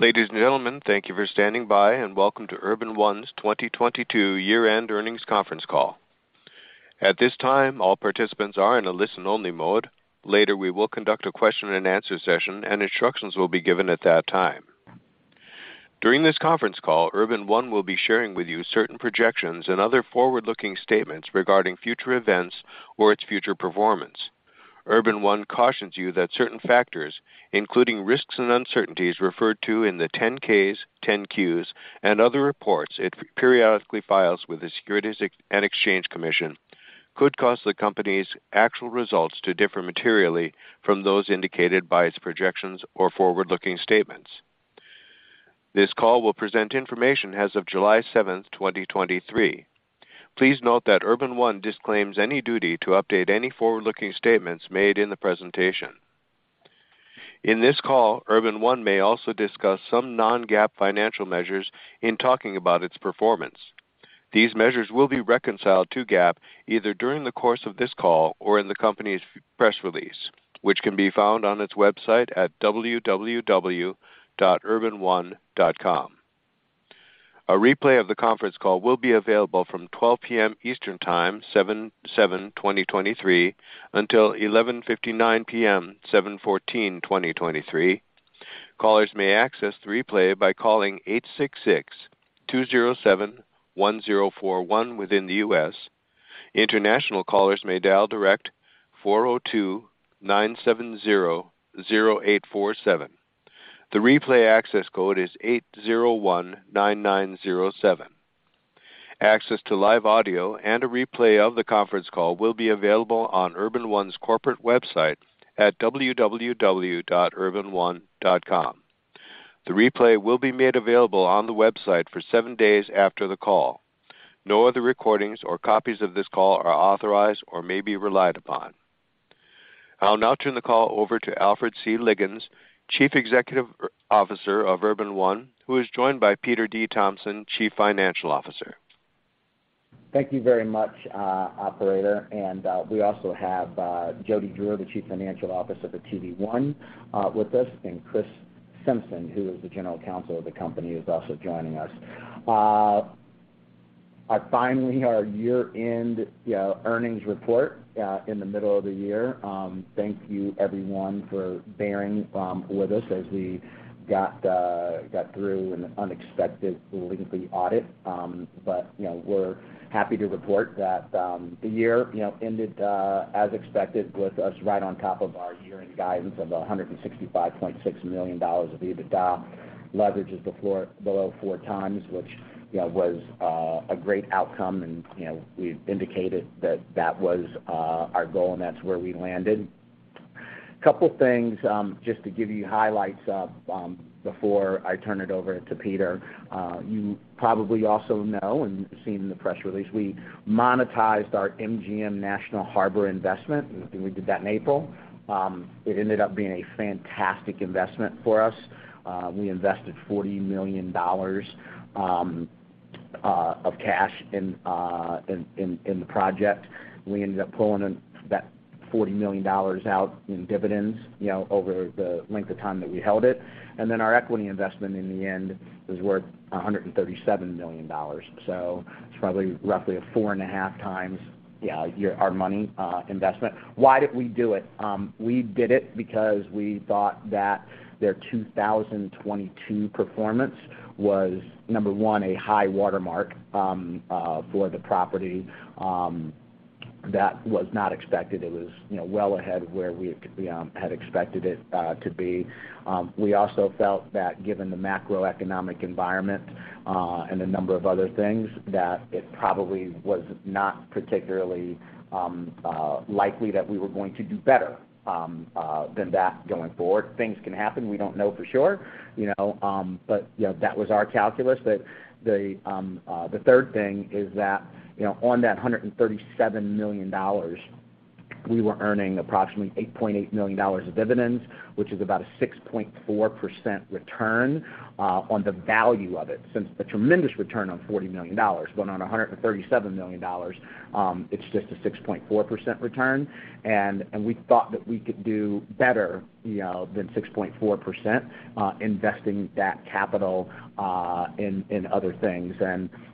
Ladies and gentlemen, thank you for standing by, and welcome to Urban One's 2022 year-end earnings conference call. At this time, all participants are in a listen-only mode. Later, we will conduct a question-and-answer session, and instructions will be given at that time. During this conference call, Urban One will be sharing with you certain projections and other forward-looking statements regarding future events or its future performance. Urban One cautions you that certain factors, including risks and uncertainties referred to in the 10-Ks, 10-Qs, and other reports it periodically files with the Securities and Exchange Commission, could cause the company's actual results to differ materially from those indicated by its projections or forward-looking statements. This call will present information as of July 7th, 2023. Please note that Urban One disclaims any duty to update any forward-looking statements made in the presentation. In this call, Urban One may also discuss some non-GAAP financial measures in talking about its performance. These measures will be reconciled to GAAP, either during the course of this call or in the company's press release, which can be found on its website at www.urbanone.com. A replay of the conference call will be available from 12:00 PM Eastern Time, 07/07/2023, until 11:59 PM, 07/14/2023. Callers may access the replay by calling 866- 207-1041 within the U.S. International callers may dial direct 402-970-0847. The replay access code is 8019907. Access to live audio and a replay of the conference call will be available on Urban One's corporate website at www.urbanone.com. The replay will be made available on the website for seven days after the call. No other recordings or copies of this call are authorized or may be relied upon. I'll now turn the call over to Alfred C. Liggins, Chief Executive Officer of Urban One, who is joined by Peter D. Thompson, Chief Financial Officer. Thank you very much, operator. We also have Jody Drewer, the Chief Financial Officer for TV One, with us, and Kris Simpson, who is the General Counsel of the company, is also joining us. Finally, our year-end earnings report in the middle of the year. Thank you, everyone, for bearing with us as we got through an unexpected lengthy audit. You know, we're happy to report that the year, you know, ended as expected, with us right on top of our year-end guidance of $165.6 million of EBITDA. Leverage is below four times, which, you know, was a great outcome and, you know, we've indicated that that was our goal, and that's where we landed. A couple things, just to give you highlights of, before I turn it over to Peter. You probably also know and seen in the press release, we monetized our MGM National Harbor investment, and we did that in April. It ended up being a fantastic investment for us. We invested $40 million of cash in the project. We ended up pulling in that $40 million out in dividends, you know, over the length of time that we held it. Our equity investment, in the end, was worth $137 million. It's probably roughly a 4.5 times our money investment. Why did we do it? We did it because we thought that their 2022 performance was, number one, a high watermark for the property that was not expected. It was, you know, well ahead of where we had expected it to be. We also felt that given the macroeconomic environment and a number of other things, that it probably was not particularly likely that we were going to do better than that going forward. Things can happen, we don't know for sure, you know, but, you know, that was our calculus. The third thing is that, you know, on that $137 million, we were earning approximately $8.8 million of dividends, which is about a 6.4% return on the value of it. Since a tremendous return on $40 million, but on $137 million, it's just a 6.4% return, and we thought that we could do better, you know, than 6.4% investing that capital in other things.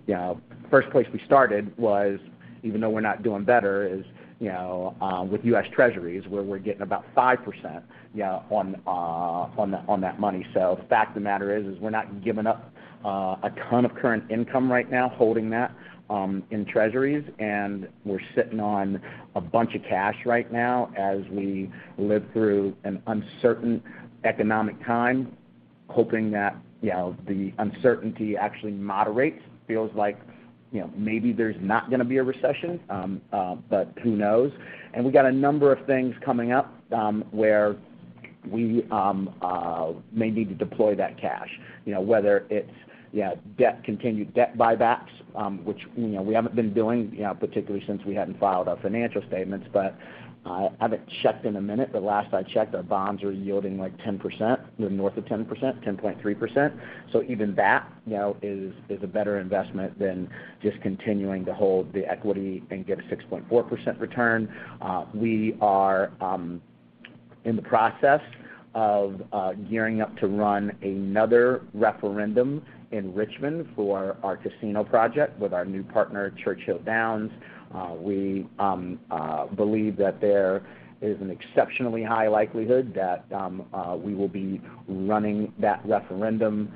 You know, first place we started was, even though we're not doing better, is, you know, with U.S. Treasuries, where we're getting about 5%, you know, on that money. The fact of the matter is we're not giving up a ton of current income right now, holding that in Treasuries, and we're sitting on a bunch of cash right now as we live through an uncertain economic time, hoping that, you know, the uncertainty actually moderates. Feels like, you know, maybe there's not gonna be a recession, but who knows? We've got a number of things coming up, where we may need to deploy that cash. You know, whether it's, you know, debt, continued debt buybacks, which, you know, we haven't been doing, you know, particularly since we hadn't filed our financial statements. I haven't checked in a minute, but last I checked, our bonds were yielding, like, 10%, north of 10%, 10.3%. Even that, you know, is a better investment than just continuing to hold the equity and get a 6.4% return. We are in the process of gearing up to run another referendum in Richmond for our casino project with our new partner, Churchill Downs. We believe that there is an exceptionally high likelihood that we will be running that referendum.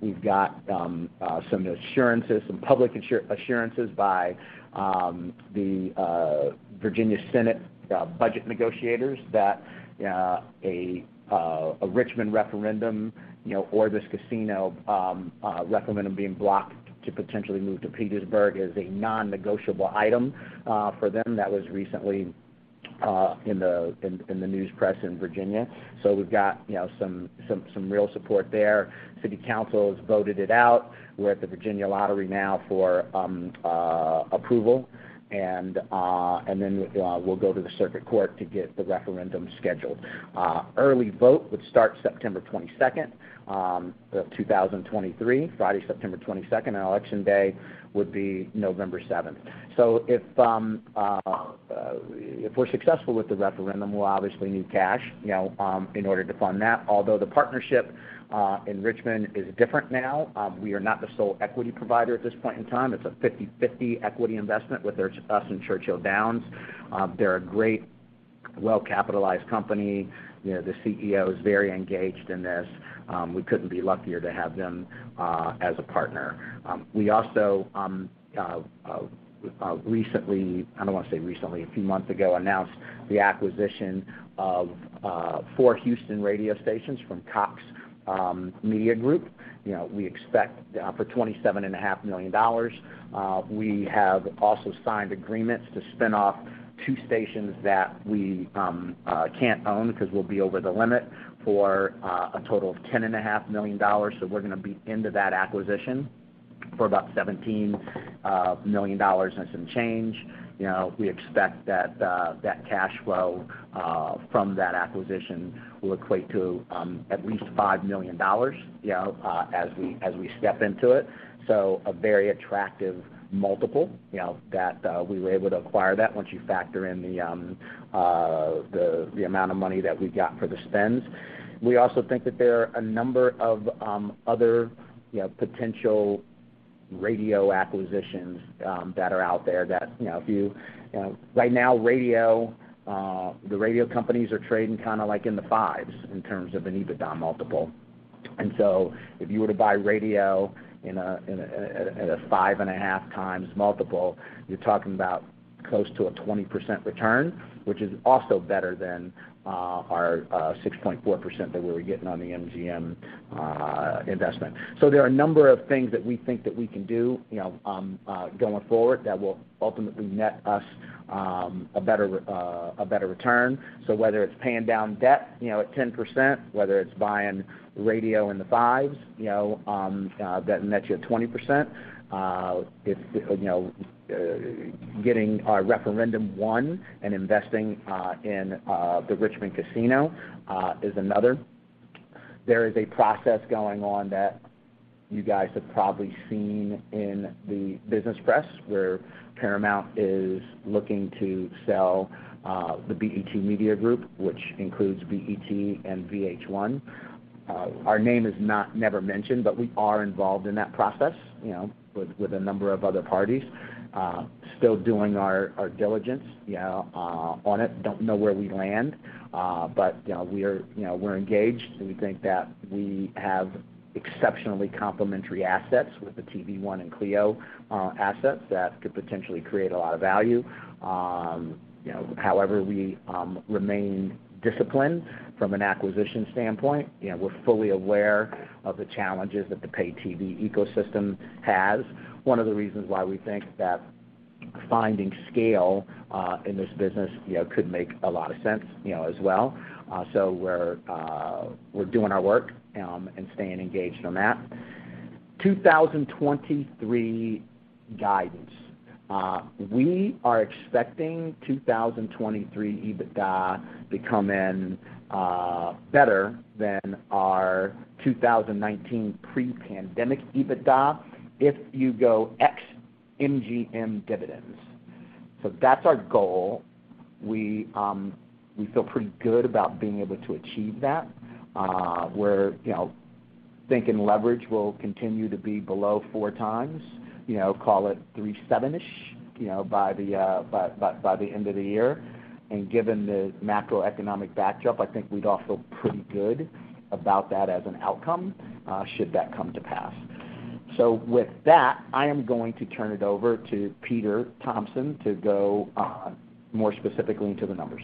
We've got some assurances, some public assurances by the Virginia Senate budget negotiators that a Richmond referendum, you know, or this casino referendum being blocked to potentially move to Petersburg, is a non-negotiable item for them. That was recently in the news press in Virginia. We've got, you know, some real support there. City Council has voted it out. We're at the Virginia Lottery now for approval, and then we'll go to the circuit court to get the referendum scheduled. Early vote would start September 22nd, 2023. Friday, September 22nd, and Election Day would be November 7th. If we're successful with the referendum, we'll obviously need cash, you know, in order to fund that, although the partnership in Richmond is different now. We are not the sole equity provider at this point in time. It's a 50/50 equity investment with us and Churchill Downs. They're a great, well-capitalized company. You know, the CEO is very engaged in this. We couldn't be luckier to have them as a partner. We also, a few months ago, announced the acquisition of four Houston radio stations from Cox Media Group. You know, we expect for twenty-seven and a half million dollars. We have also signed agreements to spin off two stations that we can't own, because we'll be over the limit, for a total of ten and a half million dollars. We're gonna be into that acquisition for about $17 million and some change. You know, we expect that cash flow from that acquisition will equate to at least $5 million, you know, as we step into it. A very attractive multiple, you know, that we were able to acquire that once you factor in the amount of money that we got for the spins. We also think that there are a number of other, you know, potential radio acquisitions that are out there that, you know, right now, radio, the radio companies are trading kind of like in the fives in terms of an EBITDA multiple. If you were to buy radio in a 5.5x multiple, you're talking about close to a 20% return, which is also better than our 6.4% that we were getting on the MGM investment. There are a number of things that we think that we can do, you know, going forward, that will ultimately net us a better, a better return. Whether it's paying down debt, you know, at 10%, whether it's buying radio in the fives, you know, that nets you at 20%, if, you know, getting our referendum one and investing in the Richmond Casino is another. There is a process going on that you guys have probably seen in the business press, where Paramount is looking to sell the BET Media Group, which includes BET and VH1. Our name is never mentioned, but we are involved in that process, you know, with a number of other parties. Still doing our diligence, you know, on it. Don't know where we land, but, you know, we're engaged, and we think that we have exceptionally complementary assets with the TV One and CLEO assets that could potentially create a lot of value. You know, however, we remain disciplined from an acquisition standpoint. You know, we're fully aware of the challenges that the paid TV ecosystem has. One of the reasons why we think that finding scale in this business, you know, could make a lot of sense, you know, as well. We're doing our work and staying engaged on that. 2023 guidance. We are expecting 2023 EBITDA to come in better than our 2019 pre-pandemic EBITDA, if you go ex-MGM dividends. That's our goal. We feel pretty good about being able to achieve that. We're, you know, thinking leverage will continue to be below four times, you know, call it 3.7-ish, you know, by the end of the year. Given the macroeconomic backdrop, I think we'd all feel pretty good about that as an outcome, should that come to pass. With that, I am going to turn it over to Peter Thompson to go more specifically into the numbers.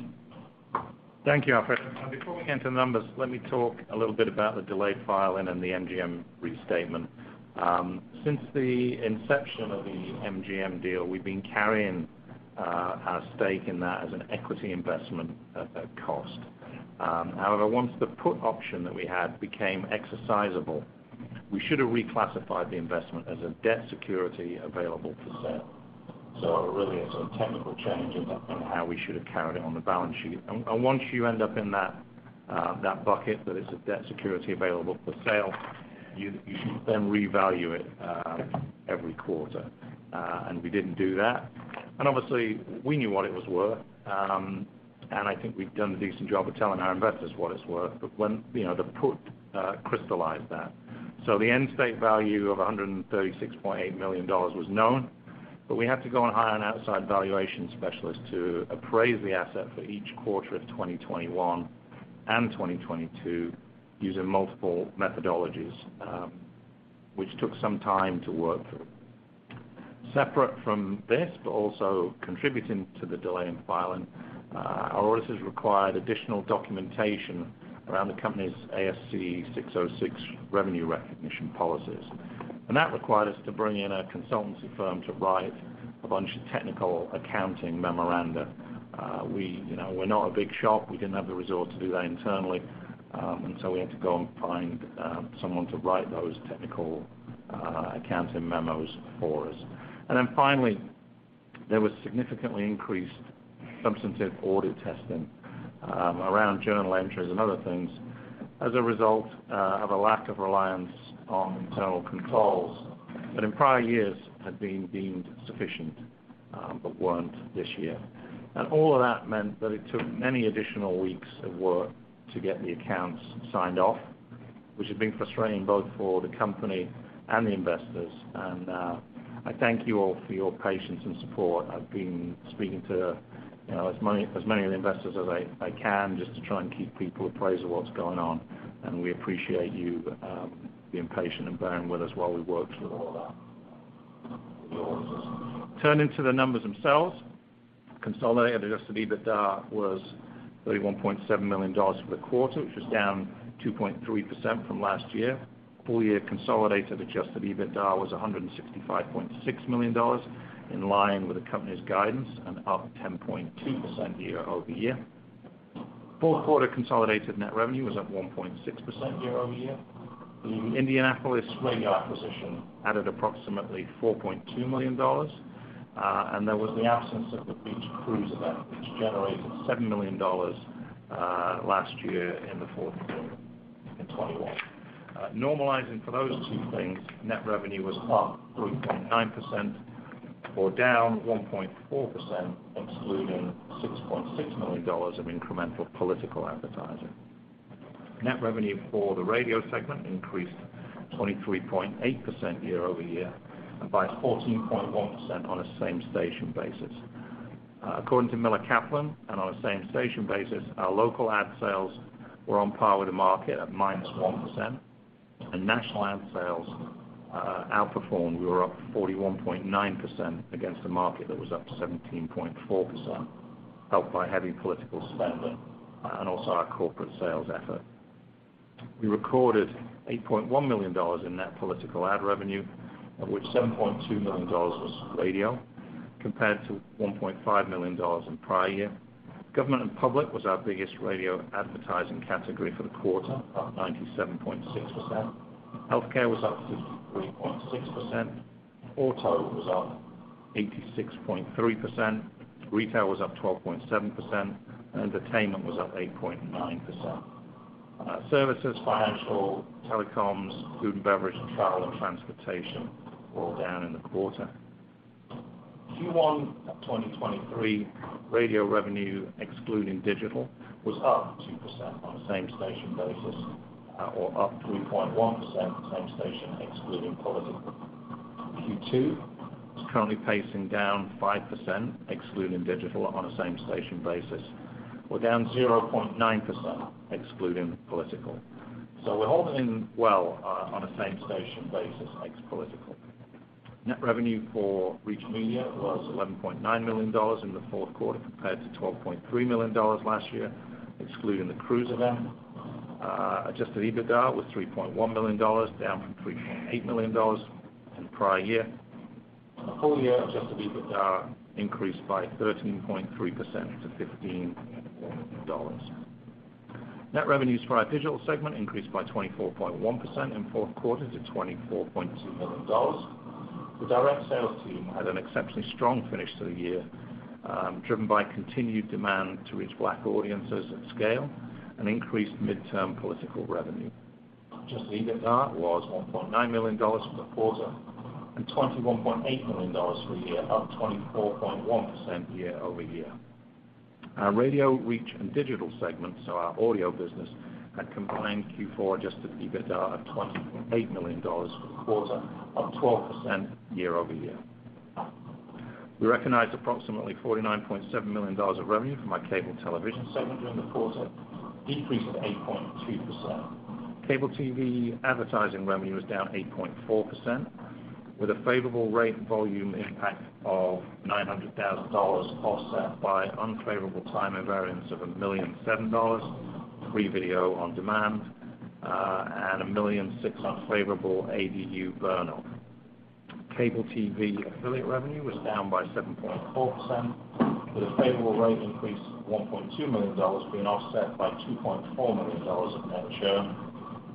Thank you, Alfred. Before we get into the numbers, let me talk a little bit about the delayed filing and the MGM restatement. Since the inception of the MGM deal, we've been carrying our stake in that as an equity investment at cost. However, once the put option that we had became exercisable, we should have reclassified the investment as a debt security available for sale. Really a sort of technical change in how we should have carried it on the balance sheet. Once you end up in that bucket, that it's a debt security available for sale, you should then revalue it every quarter, and we didn't do that. Obviously, we knew what it was worth, and I think we've done a decent job of telling our investors what it's worth, but when, you know, the put crystallized that. The end state value of $136.8 million was known, but we had to go and hire an outside valuation specialist to appraise the asset for each quarter of 2021 and 2022, using multiple methodologies, which took some time to work through. Separate from this, but also contributing to the delay in filing, our auditors required additional documentation around the company's ASC 606 revenue recognition policies. That required us to bring in a consultancy firm to write a bunch of technical accounting memoranda. We, you know, we're not a big shop. We didn't have the resource to do that internally, we had to go and find someone to write those technical accounting memos for us. Finally, there was significantly increased substantive audit testing around journal entries and other things, as a result of a lack of reliance on internal controls, that in prior years had been deemed sufficient, but weren't this year. All of that meant that it took many additional weeks of work to get the accounts signed off, which has been frustrating both for the company and the investors. I thank you all for your patience and support. I've been speaking to, you know, as many of the investors as I can, just to try and keep people appraised of what's going on. We appreciate you being patient and bearing with us while we work through all that. Turning to the numbers themselves, consolidated adjusted EBITDA was $31.7 million for the quarter, which was down 2.3% from last year. Full year consolidated adjusted EBITDA was $165.6 million, in line with the company's guidance and up 10.2% year-over-year. Q4 consolidated net revenue was up 1.6% year-over-year. The Indianapolis radio acquisition added approximately $4.2 million, and there was the absence of the Reach cruise event, which generated $7 million last year in the Q4 in 2021. Normalizing for those two things, net revenue was up 3.9% or down 1.4%, excluding $6.6 million of incremental political advertising. Net revenue for the radio segment increased 23.8% year-over-year, and by 14.1% on a same station basis. According to Miller Kaplan, and on a same station basis, our local ad sales were on par with the market at minus 1%, and national ad sales outperformed. We were up 41.9% against a market that was up 17.4%, helped by heavy political spending, and also our corporate sales effort. We recorded $8.1 million in net political ad revenue, of which $7.2 million was radio, compared to $1.5 million in prior year. Government and public was our biggest radio advertising category for the quarter, up 97.6%. Healthcare was up 53.6%. Auto was up 86.3%. Retail was up 12.7%, and entertainment was up 8.9%. Services, financial, telecoms, food and beverage, and travel and transportation were all down in the quarter. Q1 2023 radio revenue, excluding digital, was up 2% on a same station basis, or up 3.1% same station excluding political. Q2 is currently pacing down 5%, excluding digital on a same station basis, or down 0.9%, excluding political. We're holding well on a same station basis, ex-political. Net revenue for Reach Media was $11.9 million in the Q4, compared to $12.3 million last year, excluding the cruise event. Adjusted EBITDA was $3.1 million, down from $3.8 million in the prior year. Whole year adjusted EBITDA increased by 13.3% to $15 million. Net revenues for our digital segment increased by 24.1% in Q4 to $24.2 million. The direct sales team had an exceptionally strong finish to the year, driven by continued demand to reach black audiences at scale and increased midterm political revenue. Adjusted EBITDA was $1.9 million for the quarter, and $21.8 million for the year, up 24.1% year-over-year. Our Radio Reach and digital segments, so our audio business, had combined Q4 adjusted EBITDA of $28 million for the quarter, up 12% year-over-year. We recognized approximately $49.7 million of revenue from our cable television segment during the quarter, a decrease of 8.2%. Cable TV advertising revenue was down 8.4%, with a favorable rate volume impact of $900,000, offset by unfavorable timing variance of $1,007,000, free video on demand, and $1,006,000 unfavorable AVU burn-off. Cable TV affiliate revenue was down by 7.4%, with a favorable rate increase of $1.2 million being offset by $2.4 million of net share.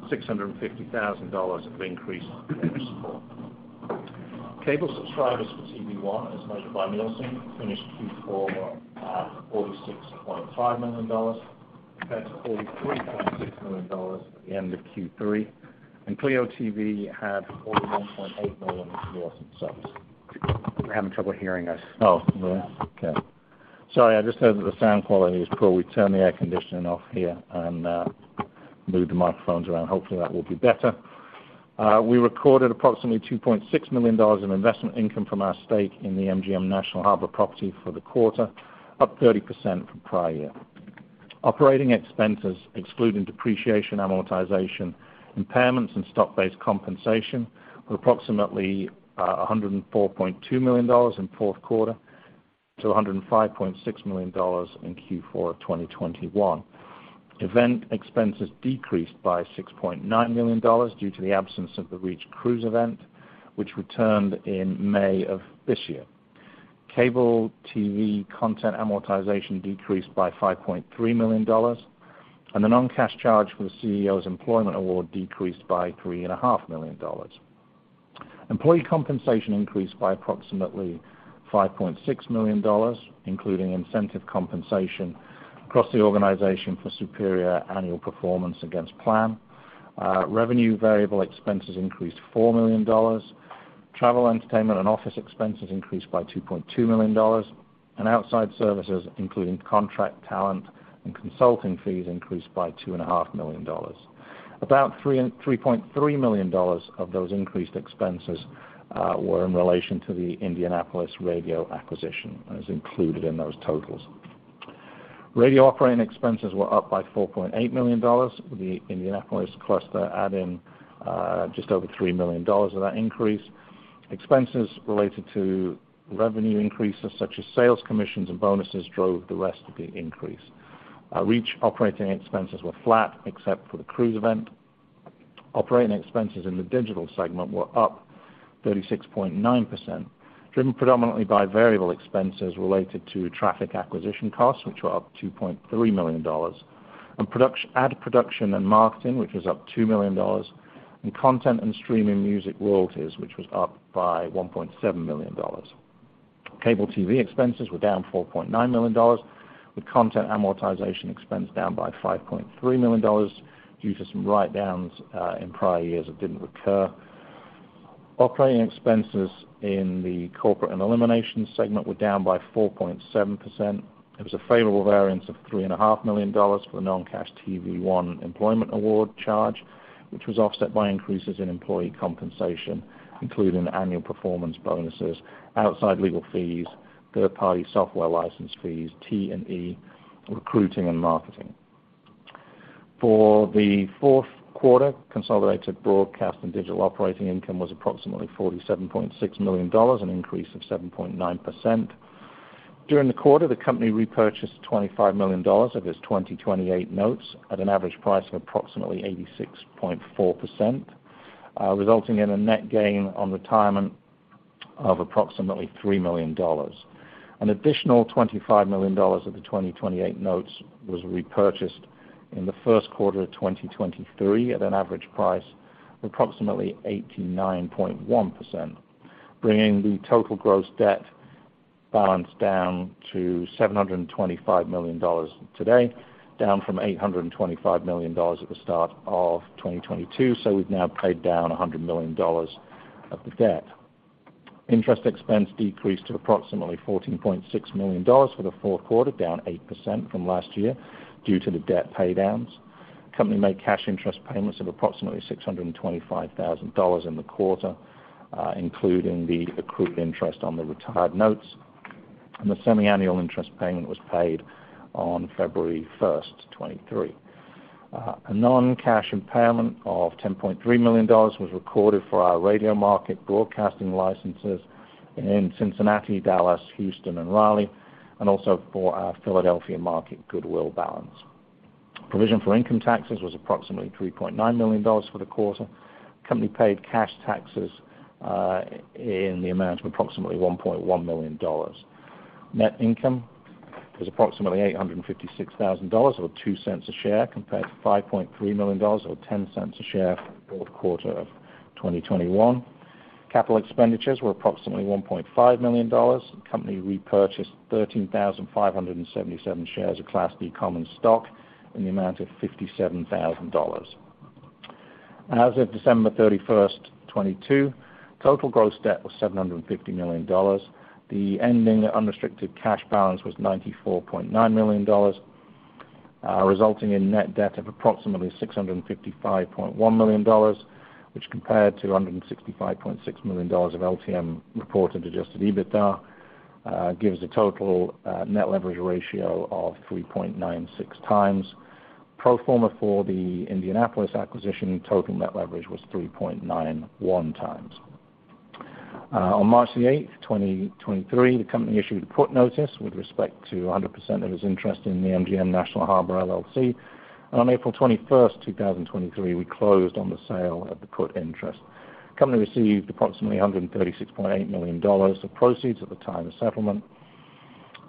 $650,000 of increased interest cost. Cable subscribers for TV One, as measured by Nielsen, finished Q4 at $46.5 million, compared to $43.6 million at the end of Q3, and CLEO TV had 41.8 million viewers themselves. We're having trouble hearing us. Oh, really? Okay. Sorry, I just heard that the sound quality is poor. We turned the air conditioning off here and moved the microphones around. Hopefully, that will be better. We recorded approximately $2.6 million in investment income from our stake in the MGM National Harbor property for the quarter, up 30% from prior year. Operating expenses, excluding depreciation, amortization, impairments, and stock-based compensation, were approximately $104.2 million in Q4 to $105.6 million in Q4 of 2021. Event expenses decreased by $6.9 million due to the absence of the Reach cruise event, which returned in May of this year. Cable TV content amortization decreased by $5.3 million, and the non-cash charge for the CEO's Employment Award decreased by three and a half million dollars. Revenue variable expenses increased $4 million. Travel, entertainment, and office expenses increased by $2.2 million, and outside services, including contract talent and consulting fees, increased by two and a half million dollars. About $3.3 million of those increased expenses were in relation to the Indianapolis radio acquisition and is included in those totals. Radio operating expenses were up by $4.8 million, with the Indianapolis cluster adding just over $3 million of that increase. Expenses related to revenue increases, such as sales commissions and bonuses, drove the rest of the increase. Reach operating expenses were flat, except for the Reach cruise. Operating expenses in the Digital segment were up 36.9%, driven predominantly by variable expenses related to traffic acquisition costs, which were up $2.3 million, and ad production and marketing, which was up $2 million, and content and streaming music royalties, which was up by $1.7 million. Cable TV expenses were down $4.9 million, with content amortization expense down by $5.3 million due to some write-downs in prior years that didn't recur. Operating expenses in the Corporate and Elimination segment were down by 4.7%. It was a favorable variance of three and a half million dollars for the non-cash TV One employment award charge, which was offset by increases in employee compensation, including annual performance bonuses, outside legal fees, third-party software license fees, T&E, recruiting, and marketing. The Q4, consolidated broadcast and digital operating income was approximately $47.6 million, an increase of 7.9%. During the quarter, the company repurchased $25 million of its 2028 notes at an average price of approximately 86.4%, resulting in a net gain on retirement of approximately $3 million. An additional $25 million of the 2028 notes was repurchased in the Q1 of 2023 at an average price of approximately 89.1%, bringing the total gross debt balance down to $725 million today, down from $825 million at the start of 2022. We've now paid down $100 million of the debt. Interest expense decreased to approximately $14.6 million for the Q4, down 8% from last year due to the debt paydowns. Company made cash interest payments of approximately $625,000 in the quarter, including the accrued interest on the retired notes, and the semiannual interest payment was paid on February 1st, 2023. A non-cash impairment of $10.3 million was recorded for our radio market broadcasting licenses in Cincinnati, Dallas, Houston, and Raleigh, and also for our Philadelphia market goodwill balance. Provision for income taxes was approximately $3.9 million for the quarter. Company paid cash taxes in the amount of approximately $1.1 million. Net income was approximately $856,000, or $0.02 a share, compared to $5.3 million, or $0.10 a share, for the Q4 of 2021. Capital expenditures were approximately $1.5 million. The company repurchased 13,577 shares of Class B common stock in the amount of $57,000. As of December 31st, 2022, total gross debt was $750 million. The ending unrestricted cash balance was $94.9 million, resulting in net debt of approximately $655.1 million, which compared to $165.6 million of LTM reported adjusted EBITDA, gives a total net leverage ratio of 3.96 times. Pro forma for the Indianapolis acquisition, total net leverage was 3.91 times. On March 8, 2023, the company issued a put notice with respect to 100% of its interest in the MGM National Harbor, LLC. On April 21st, 2023, we closed on the sale of the put interest. Company received approximately $136.8 million of proceeds at the time of settlement.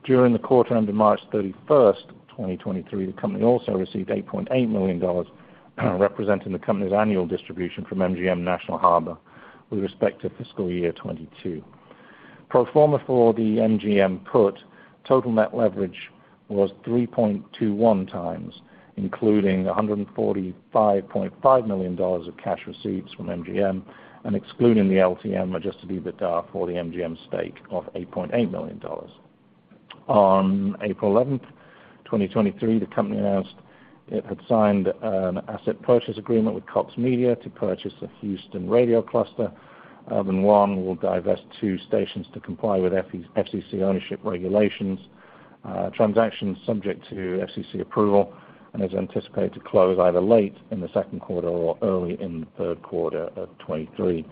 During the quarter ended March 31st, 2023, the company also received $8.8 million, representing the company's annual distribution from MGM National Harbor with respect to fiscal year 2022. Pro forma for the MGM put, total net leverage was 3.21 times, including $145.5 million of cash receipts from MGM and excluding the LTM adjusted EBITDA for the MGM stake of $8.8 million. On April 11th, 2023, the company announced it had signed an asset purchase agreement with Cox Media to purchase a Houston radio cluster. Urban One will divest two stations to comply with FCC ownership regulations. Transaction is subject to FCC approval and is anticipated to close either late in the Q2 or early in the Q3 of 2023.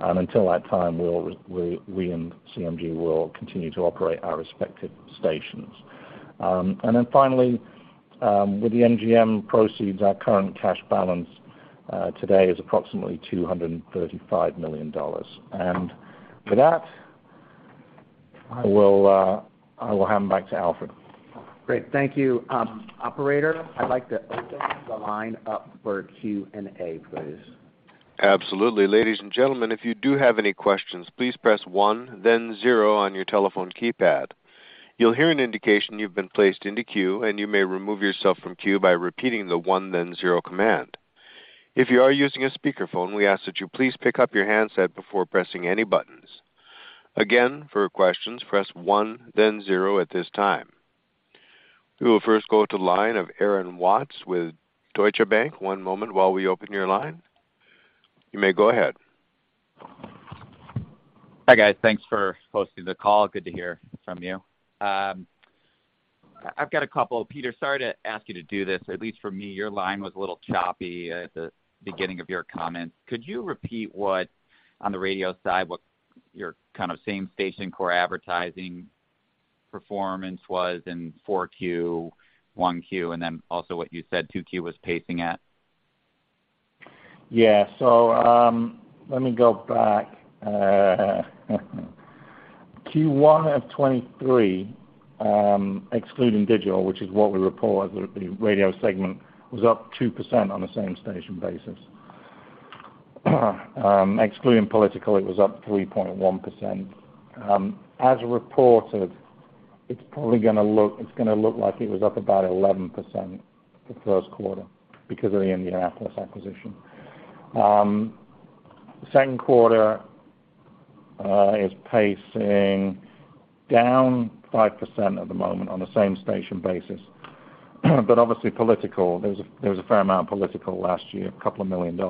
Until that time, we and CMG will continue to operate our respective stations. Finally, with the MGM proceeds, our current cash balance, today is approximately $235 million. With that, I will hand back to Alfred. Great. Thank you. Operator, I'd like to open the line up for Q&A, please. Absolutely. Ladies and gentlemen, if you do have any questions, please press one, then zero on your telephone keypad. You'll hear an indication you've been placed into queue, and you may remove yourself from queue by repeating the one, then zero command. If you are using a speakerphone, we ask that you please pick up your handset before pressing any buttons. Again, for questions, press one, then zero at this time. We will first go to line of Aaron Watts with Deutsche Bank. One moment while we open your line. You may go ahead. Hi, guys. Thanks for hosting the call. Good to hear from you. I've got a couple. Peter, sorry to ask you to do this. At least for me, your line was a little choppy at the beginning of your comments. Could you repeat what, on the radio side, what your kind of same-station core advertising performance was in Q4, Q1, and then also what you said Q2 was pacing at? Yeah, let me go back. Q1 of 2023, excluding digital, which is what we report as the radio segment, was up 2% on a same station basis. Excluding political, it was up 3.1%. As reported, it's probably gonna look like it was up about 11% the Q1 because of the Indianapolis acquisition. Q2 is pacing down 5% at the moment on a same station basis. Obviously, political, there was a fair amount of political last year, $2 million.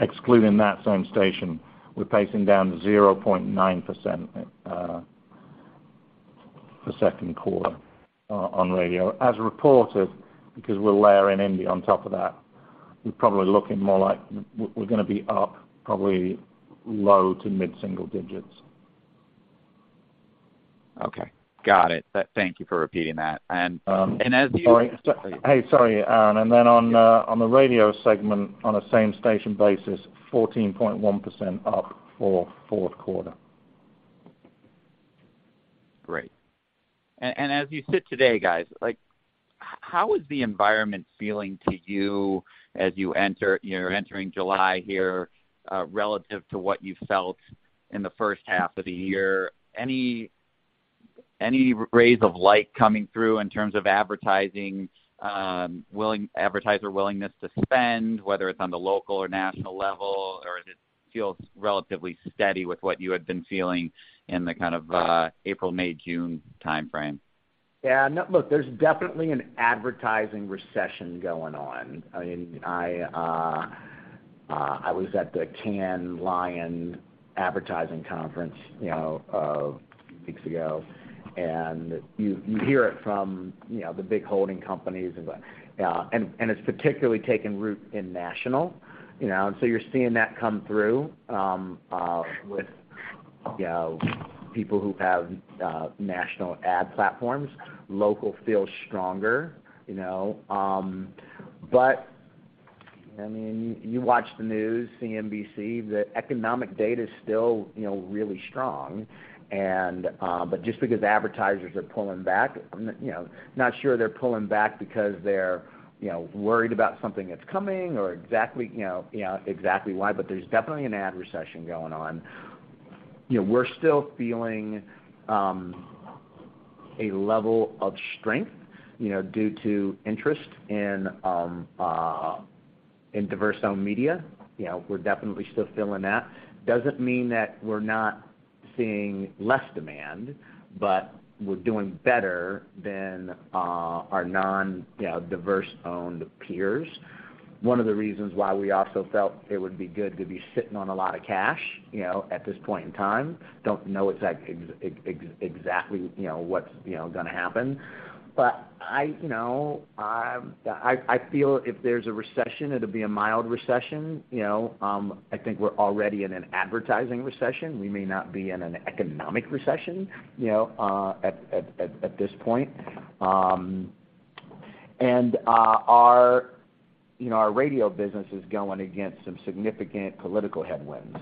Excluding that same station, we're pacing down 0.9% for Q2 on radio. As reported, because we're layering Indy on top of that, we're probably looking more like we're gonna be up probably low to mid single digits. Okay. Got it. Thank you for repeating that. As you. Sorry. Hey, sorry, Aaron. On the radio segment, on a same station basis, 14.1% up for Q4. Great. As you sit today, guys, like, how is the environment feeling to you as you're entering July here, relative to what you felt in the first half of the year? Any rays of light coming through in terms of advertising, advertiser willingness to spend, whether it's on the local or national level, or does it feel relatively steady with what you had been feeling in the kind of, April, May, June timeframe? Yeah, no, look, there's definitely an advertising recession going on. I mean, I was at the Cannes Lion advertising conference, you know, weeks ago, and you hear it from, you know, the big holding companies and what. It's particularly taken root in national, you know? You're seeing that come through with, you know, people who have national ad platforms. Local feels stronger, you know. I mean, you watch the news, CNBC, the economic data is still, you know, really strong. Just because advertisers are pulling back, you know, not sure they're pulling back because they're, you know, worried about something that's coming or exactly, you know, exactly why, but there's definitely an ad recession going on. You know, we're still feeling a level of strength, you know, due to interest in diverse-owned media. You know, we're definitely still feeling that. Doesn't mean that we're not seeing less demand, but we're doing better than our non, you know, diverse-owned peers. One of the reasons why we also felt it would be good to be sitting on a lot of cash, you know, at this point in time, don't know exactly, you know, what's, you know, gonna happen. I, you know, I feel if there's a recession, it'll be a mild recession, you know? I think we're already in an advertising recession. We may not be in an economic recession, you know, at this point. Our, you know, our radio business is going against some significant political headwinds,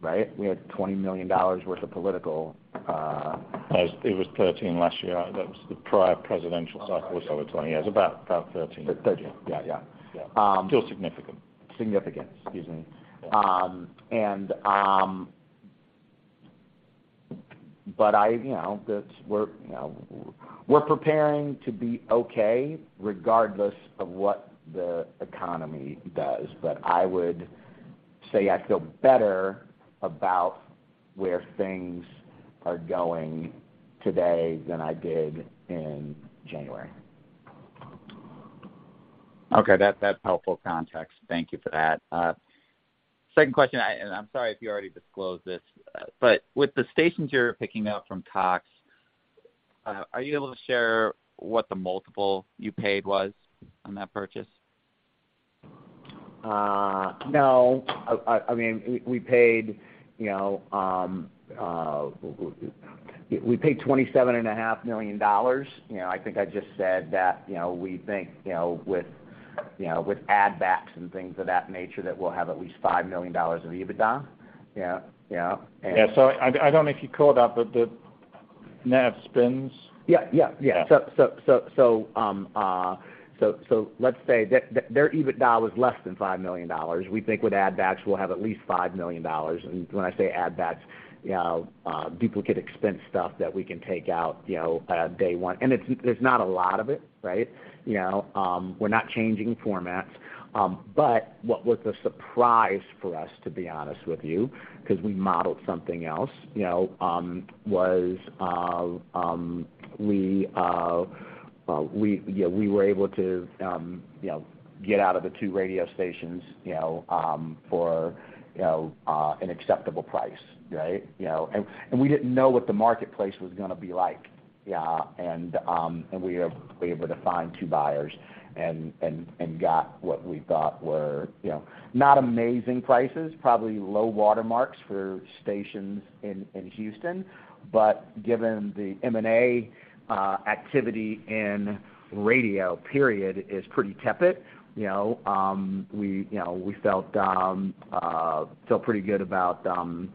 right? We had $20 million worth of political. Yes, it was 13 last year. That was the prior presidential cycle, it was over 20. Yeah, it was about 13. 13. Yeah, yeah. Yeah. Um- Still significant. Significant, excuse me. I, you know, we're preparing to be okay regardless of what the economy does. I would say I feel better about where things are going today than I did in January. Okay, that's helpful context. Thank you for that. Second question, and I'm sorry if you already disclosed this, but with the stations you're picking up from Cox, are you able to share what the multiple you paid was on that purchase? No. I mean, we paid, you know, we paid $27 and a half million. You know, I think I just said that, you know, we think, you know, with, you know, with add backs and things of that nature, that we'll have at least $5 million of EBITDA. Yeah. Yeah, I don't know if you called out, but the net spins? Yeah. Yeah, yeah. Yeah. Let's say that their EBITDA was less than $5 million. We think with add backs, we'll have at least $5 million. When I say add backs, you know, duplicate expense stuff that we can take out, you know, day one. There's not a lot of it, right? You know, we're not changing formats. But what was a surprise for us, to be honest with you, 'cause we modeled something else, you know, was, we, yeah, we were able to, you know, get out of the two radio stations, you know, for, you know, an acceptable price, right? You know, and we didn't know what the marketplace was gonna be like. Yeah, we were able to find two buyers and got what we thought were, you know, not amazing prices, probably low watermarks for stations in Houston. Given the M&A activity in radio, period, is pretty tepid, you know, we felt pretty good about the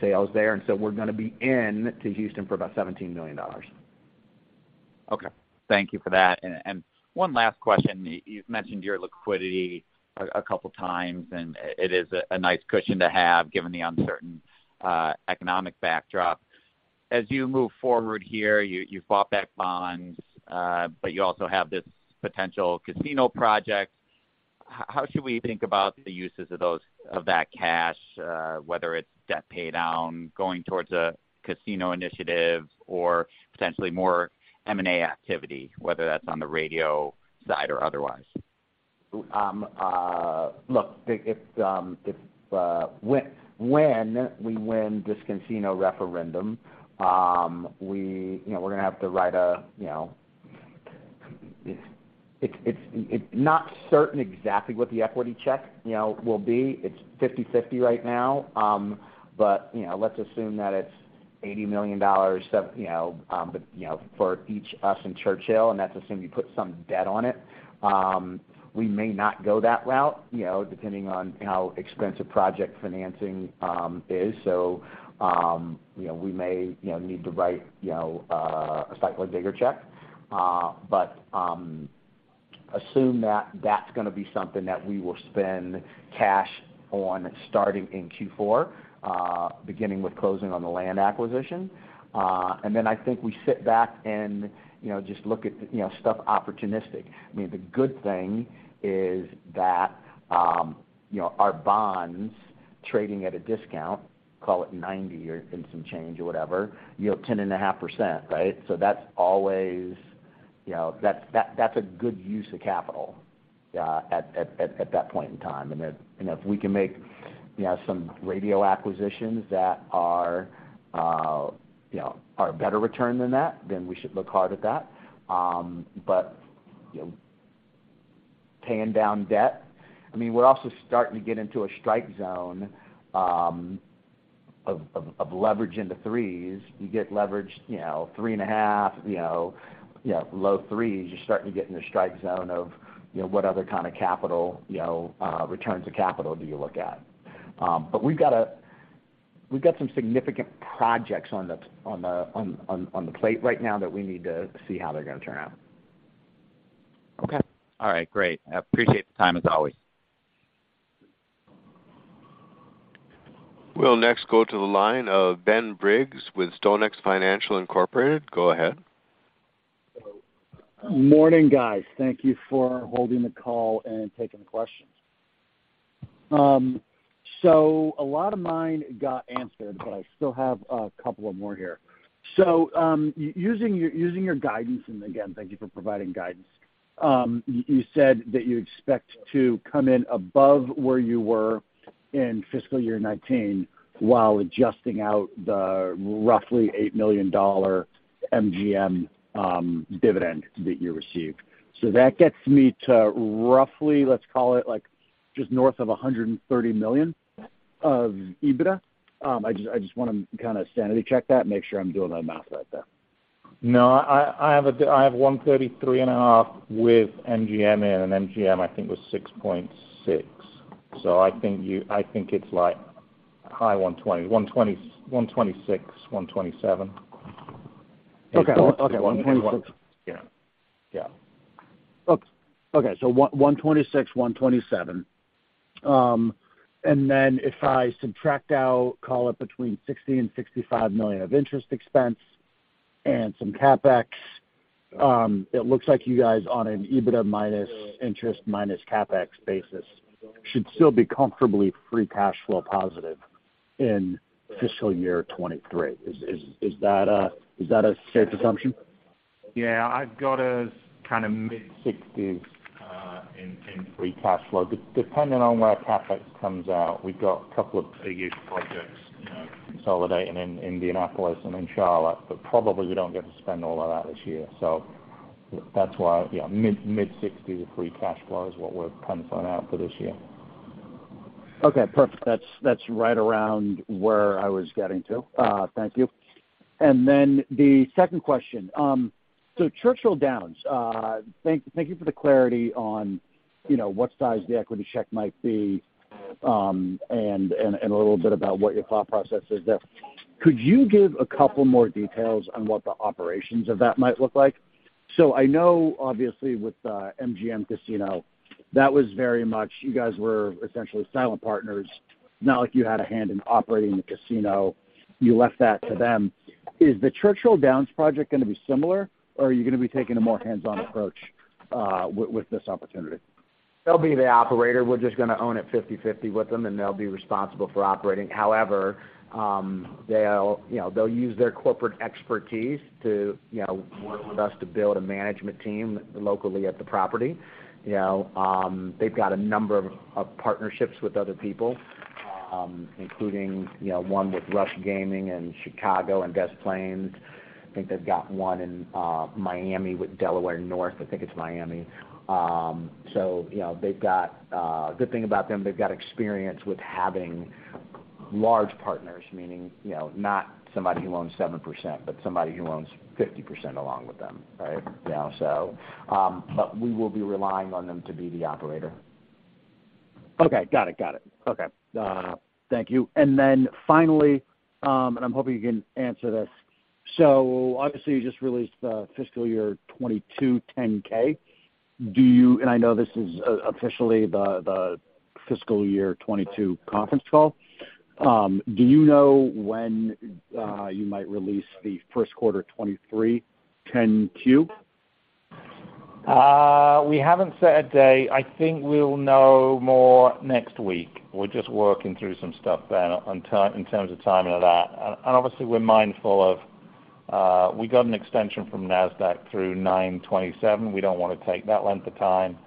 sales there. So we're gonna be in to Houston for about $17 million. Okay, thank you for that. One last question. You've mentioned your liquidity a couple times, and it is a nice cushion to have, given the uncertain economic backdrop. As you move forward here, you've bought back bonds, but you also have this potential casino project. How should we think about the uses of that cash? Whether it's debt paydown, going towards a casino initiative, or potentially more M&A activity, whether that's on the radio side or otherwise? Look, if when we win this casino referendum, we, you know, we're gonna have to write a, you know. It's not certain exactly what the equity check, you know, will be. It's 50/50 right now. You know, let's assume that it's $80 million, you know, for each us and Churchill, let's assume you put some debt on it. We may not go that route, you know, depending on how expensive project financing is. You know, we may, you know, need to write, you know, a slightly bigger check. Assume that that's gonna be something that we will spend cash on starting in Q4, beginning with closing on the land acquisition. Then I think we sit back and, you know, just look at, you know, stuff opportunistic. I mean, the good thing is that, you know, our bonds trading at a discount, call it 90 or and some change or whatever, yield 10.5%, right? That's always, you know, that's a good use of capital at that point in time. If we can make, you know, some radio acquisitions that are, you know, are a better return than that, then we should look hard at that. You know, paying down debt, I mean, we're also starting to get into a strike zone of leverage in the 3s. You get leverage, you know, 3.5, you know, yeah, low 3s, you're starting to get in the strike zone of, you know, what other kind of capital, you know, returns to capital do you look at? We've got some significant projects on the plate right now that we need to see how they're gonna turn out. Okay. All right, great. I appreciate the time, as always. We'll next go to the line of Ben Briggs with StoneX Financial Inc. Go ahead. Morning, guys. Thank you for holding the call and taking the questions. A lot of mine got answered, but I still have a couple of more here. Using your guidance, and again, thank you for providing guidance. You said that you expect to come in above where you were in fiscal year 2019, while adjusting out the roughly $8 million MGM dividend that you received. That gets me to roughly, let's call it, like, just north of $130 million of EBITDA? I just wanna kind of sanity check that and make sure I'm doing my math right there. No, I have $133 and a half with MGM in, and MGM, I think, was $6.6. I think it's like high $120, $126, $127. Okay. Okay, $126. Yeah. Yeah. Okay. Okay, $126 million, $127 million. If I subtract out, call it between $60 million and $65 million of interest expense and some CapEx, it looks like you guys on an EBITDA minus interest, minus CapEx basis, should still be comfortably free cash flow positive in fiscal year 2023. Is that a safe assumption? Yeah, I've got us kind of mid-60s in free cash flow. Depending on where CapEx comes out, we've got a couple of big projects, you know, consolidating Indianapolis and Charlotte, but probably we don't get to spend all of that this year. That's why, yeah, mid-60s free cash flow is what we're kind of planning out for this year. Okay, perfect. That's right around where I was getting to. Thank you. The second question. Churchill Downs, thank you for the clarity on, you know, what size the equity check might be, and a little bit about what your thought process is there. Could you give a couple more details on what the operations of that might look like? I know obviously with MGM Casino, that was very much, you guys were essentially silent partners, not like you had a hand in operating the casino. You left that to them. Is the Churchill Downs project gonna be similar, or are you gonna be taking a more hands-on approach with this opportunity? They'll be the operator. We're just gonna own it 50/50 with them, and they'll be responsible for operating. However, they'll, you know, they'll use their corporate expertise to, you know, work with us to build a management team locally at the property. You know, they've got a number of partnerships with other people, including, you know, one with Rush Street Gaming in Chicago and Des Plaines. I think they've got one in Miami with Delaware North. I think it's Miami. You know, they've got. The thing about them, they've got experience with having large partners, meaning, you know, not somebody who owns 7%, but somebody who owns 50% along with them, right? You know, we will be relying on them to be the operator. Okay, got it. Got it. Okay. Thank you. Finally, and I'm hoping you can answer this: obviously, you just released the fiscal year 2022 10-K. And I know this is officially the fiscal year 2022 conference call. Do you know when you might release the Q1 2023 10-Q? We haven't set a day. I think we'll know more next week. We're just working through some stuff then in terms of timing of that. Obviously, we're mindful of, we got an extension from Nasdaq through 9/27. We don't want to take that length of time.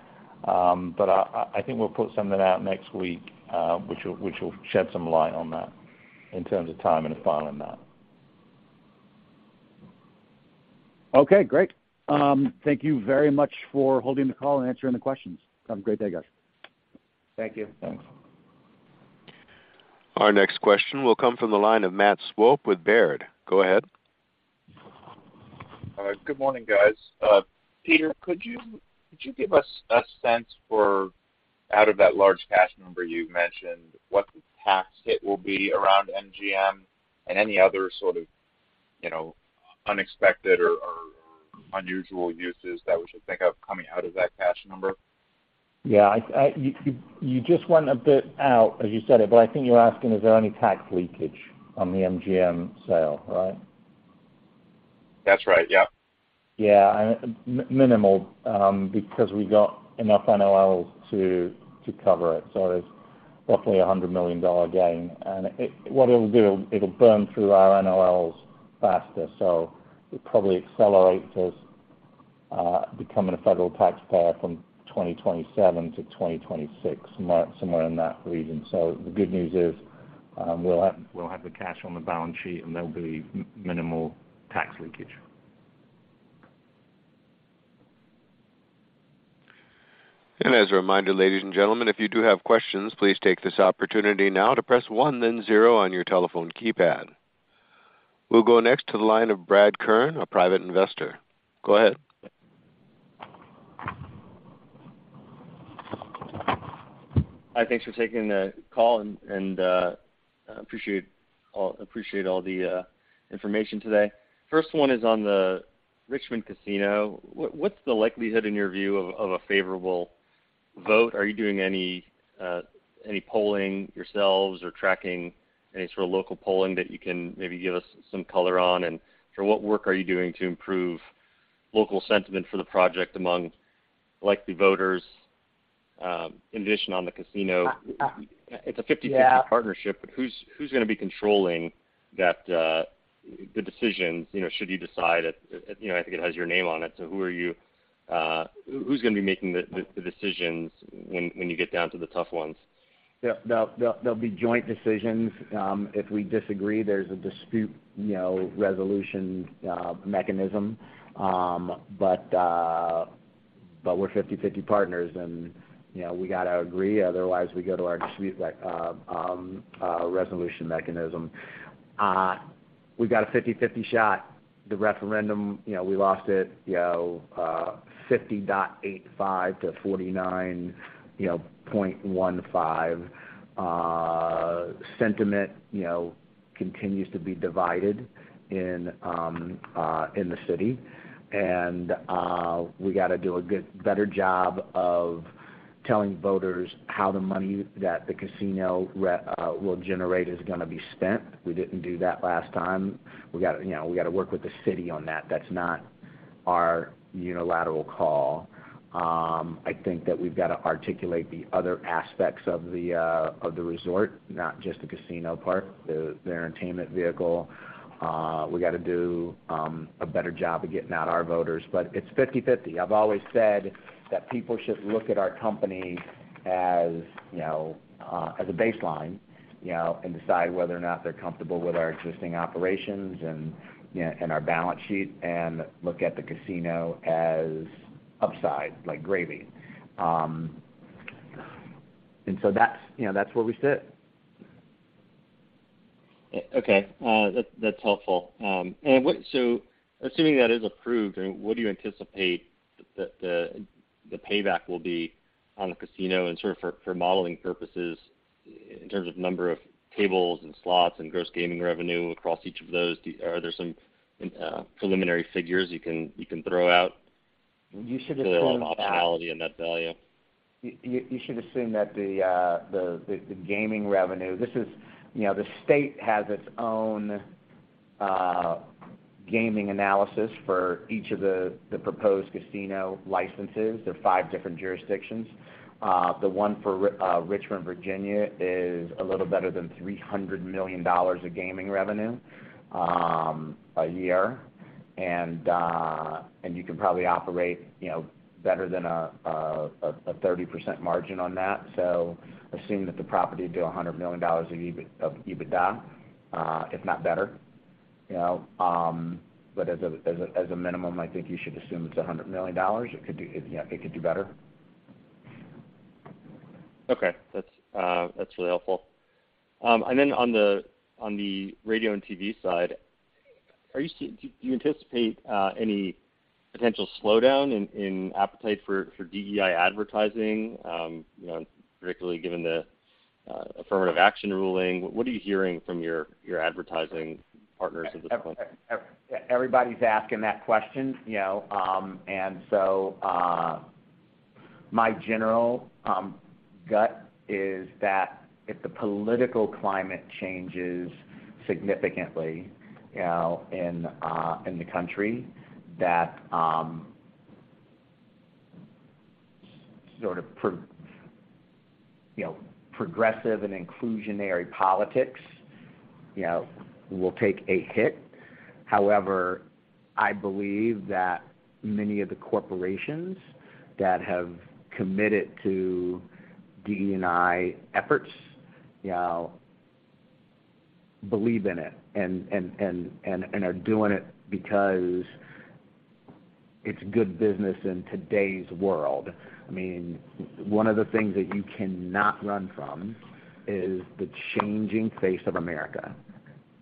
I think we'll put something out next week, which will shed some light on that in terms of timing and filing that. Okay, great. Thank you very much for holding the call and answering the questions. Have a great day, guys. Thank you. Thanks. Our next question will come from the line of Matt Swope with Baird. Go ahead. Good morning, guys. Peter, could you give us a sense for, out of that large cash number you mentioned, what the tax hit will be around MGM and any other sort of, you know, unexpected or unusual uses that we should think of coming out of that cash number? Yeah, you just went a bit out, as you said it, but I think you're asking is there any tax leakage on the MGM sale, right? That's right, yeah. Yeah, minimal, because we got enough NOLs to cover it. It's roughly $100 million gain. What it'll do, it'll burn through our NOLs faster, so it probably accelerates us, becoming a federal taxpayer from 2027 to 2026, mark somewhere in that region. The good news is, we'll have the cash on the balance sheet, and there'll be minimal tax leakage. As a reminder, ladies and gentlemen, if you do have questions, please take this opportunity now to press one, then zero on your telephone keypad. We'll go next to the line of Brad Kern, a private investor. Go ahead. Hi, thanks for taking the call, and I appreciate all the information today. First one is on the Richmond Casino. What's the likelihood, in your view, of a favorable vote? Are you doing any polling yourselves or tracking any sort of local polling that you can maybe give us some color on? And so what work are you doing to improve local sentiment for the project among likely voters, in addition on the casino? Uh, uh, yeah- It's a 50/50 partnership. Who's gonna be controlling that, the decisions, you know, should you decide at... You know, I think it has your name on it, so who are you, who's gonna be making the decisions when you get down to the tough ones? Yeah. They'll be joint decisions. If we disagree, there's a dispute, you know, resolution mechanism. We're 50/50 partners, and, you know, we gotta agree, otherwise, we go to our dispute resolution mechanism. We've got a 50/50 shot. The referendum, you know, we lost it, you know, 50.85 to 49.15. Sentiment, you know, continues to be divided in the city, and we gotta do a better job of telling voters how the money that the casino will generate is gonna be spent. We didn't do that last time. We gotta, you know, work with the city on that. That's not our unilateral call. I think that we've gotta articulate the other aspects of the resort, not just the casino part, the entertainment vehicle. We gotta do a better job of getting out our voters. It's 50/50. I've always said that people should look at our company as, you know, as a baseline, you know, and decide whether or not they're comfortable with our existing operations and, you know, and our balance sheet, and look at the casino as upside, like gravy. That's, you know, that's where we sit. Okay, that's helpful. Assuming that is approved, I mean, what do you anticipate the payback will be on the casino? Sort of for modeling purposes, in terms of number of tables and slots and gross gaming revenue across each of those, are there some preliminary figures you can throw out? You should assume that. A lot of optionality in that value. You should assume that the gaming revenue. This is, you know, the state has its own gaming analysis for each of the proposed casino licenses. There are five different jurisdictions. The one for Richmond, Virginia, is a little better than $300 million of gaming revenue a year. You can probably operate, you know, better than a 30% margin on that. Assume that the property do $100 million of EBITDA, if not better, you know. But as a minimum, I think you should assume it's $100 million. It could do, you know, it could do better. Okay. That's, that's really helpful. On the, on the radio and TV side, are you do you anticipate any potential slowdown in appetite for DEI advertising, you know, particularly given the affirmative action ruling? What are you hearing from your advertising partners at this point? Everybody's asking that question, you know. My general gut is that if the political climate changes significantly, you know, in the country, that, you know, progressive and inclusionary politics, you know, will take a hit. However, I believe that many of the corporations that have committed to DE&I efforts, you know, believe in it and are doing it because it's good business in today's world. I mean, one of the things that you cannot run from is the changing face of America.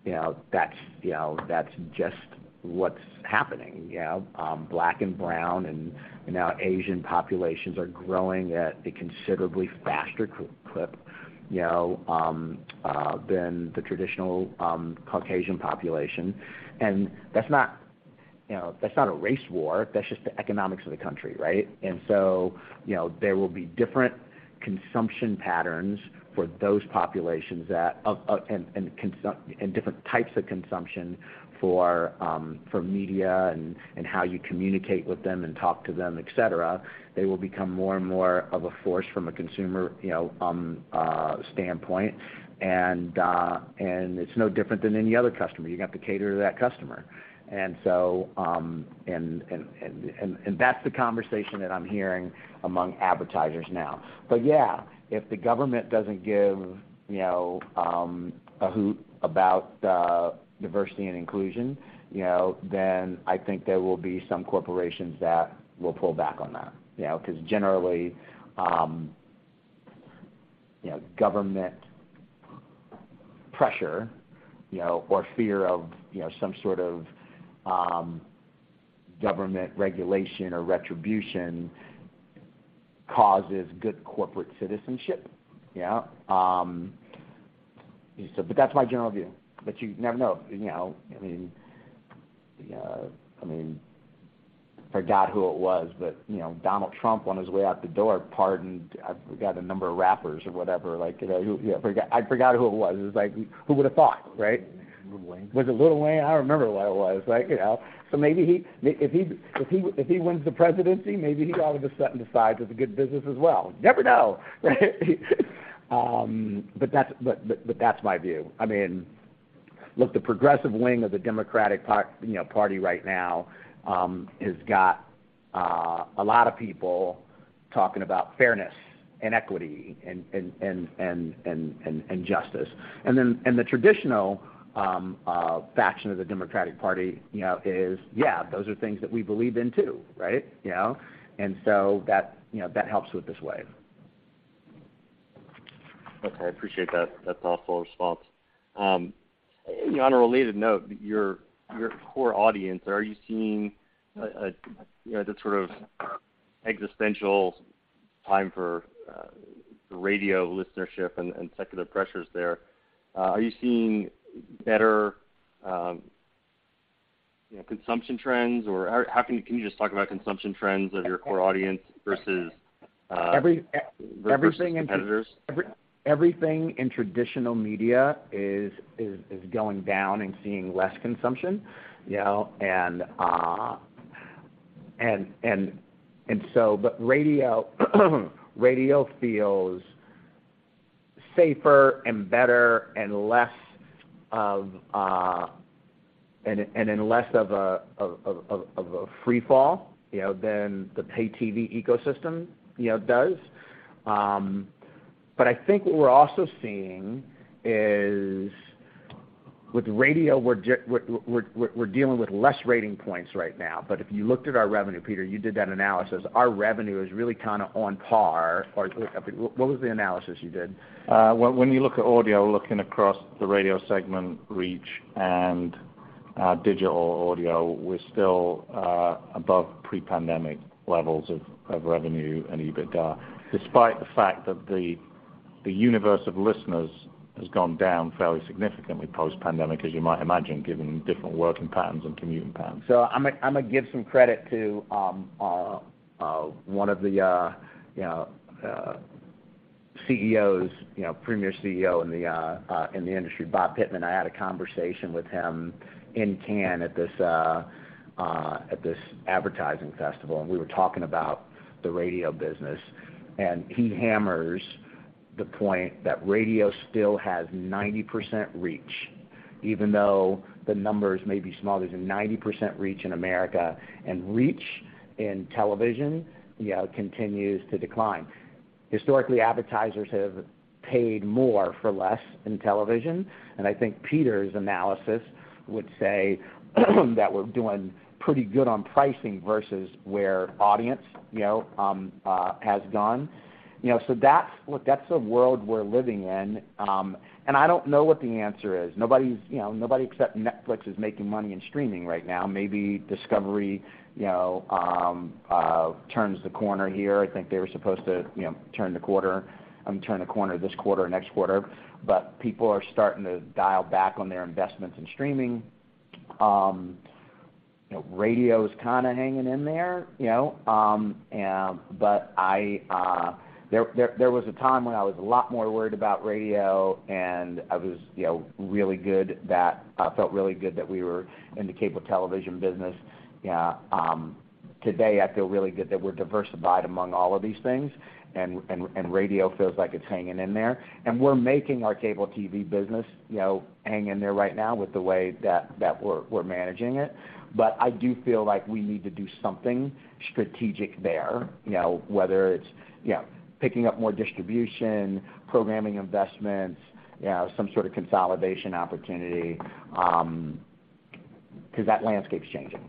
You know, that's, you know, that's just what's happening, you know. Black and brown and now Asian populations are growing at a considerably faster clip, you know, than the traditional Caucasian population. That's not, you know, that's not a race war. That's just the economics of the country, right? you know, there will be different consumption patterns for those populations that and different types of consumption for media and how you communicate with them and talk to them, et cetera. They will become more and more of a force from a consumer, you know, standpoint, and it's no different than any other customer. You have to cater to that customer. and that's the conversation that I'm hearing among advertisers now. yeah, if the government doesn't give, you know, a hoot about diversity and inclusion, you know, then I think there will be some corporations that will pull back on that, you know. Generally, you know, government pressure, you know, or fear of, you know, some sort of government regulation or retribution causes good corporate citizenship, you know? But that's my general view. You never know, you know. I mean, I mean, forgot who it was, but, you know, Donald Trump, on his way out the door, pardoned, I forgot, a number of rappers or whatever. Like, you know, I forgot who it was. It's like, who would've thought, right? Lil Wayne. Was it Lil Wayne? I don't remember who it was, like, you know. Maybe if he wins the presidency, maybe he'll all of a sudden decides it's a good business as well. Never know, right? That's, but that's my view. I mean, look, the progressive wing of the Democratic Party right now has got a lot of people talking about fairness and equity and justice. The traditional faction of the Democratic Party, you know, is, yeah, those are things that we believe in too, right? You know. That, you know, that helps with this wave. Okay, I appreciate that thoughtful response. On a related note, your core audience, are you seeing a, you know, the sort of existential time for the radio listenership and secular pressures there? Are you seeing better, you know, consumption trends? Can you just talk about consumption trends of your core audience versus? everything- versus competitors? Everything in traditional media is going down and seeing less consumption, you know? Radio feels safer and better and less of, and in less of a free fall, you know, than the pay TV ecosystem, you know, does. I think what we're also seeing is with radio, we're dealing with less rating points right now. If you looked at our revenue, Peter, you did that analysis, our revenue is really kind of on par or... What, what was the analysis you did? When you look at audio, looking across the radio segment, Reach and digital audio, we're still above pre-pandemic levels of revenue and EBITDA, despite the fact that the universe of listeners has gone down fairly significantly post-pandemic, as you might imagine, given different working patterns and commuting patterns. I'm gonna give some credit to one of the, you know, CEOs, you know, premier CEO in the industry, Bob Pittman. I had a conversation with him in Cannes at this advertising festival, and we were talking about the radio business. He hammers the point that radio still has 90% reach, even though the numbers may be small. There's a 90% reach in America, and reach in television, you know, continues to decline. Historically, advertisers have paid more for less in television, and I think Peter's analysis would say, that we're doing pretty good on pricing versus where audience, you know, has gone. You know, look, that's the world we're living in, I don't know what the answer is. Nobody's, you know, nobody except Netflix is making money in streaming right now. Maybe Discovery, you know, turns the corner here. I think they were supposed to, you know, turn the quarter, I mean, turn the corner this quarter or next quarter. People are starting to dial back on their investments in streaming. You know, radio is kind of hanging in there, you know. There was a time when I was a lot more worried about radio, and I was, you know, I felt really good that we were in the cable television business. Today, I feel really good that we're diversified among all of these things, and radio feels like it's hanging in there. We're making our cable TV business, you know, hang in there right now with the way that we're managing it. I do feel like we need to do something strategic there, you know, whether it's, you know, picking up more distribution, programming investments, you know, some sort of consolidation opportunity, because that landscape's changing,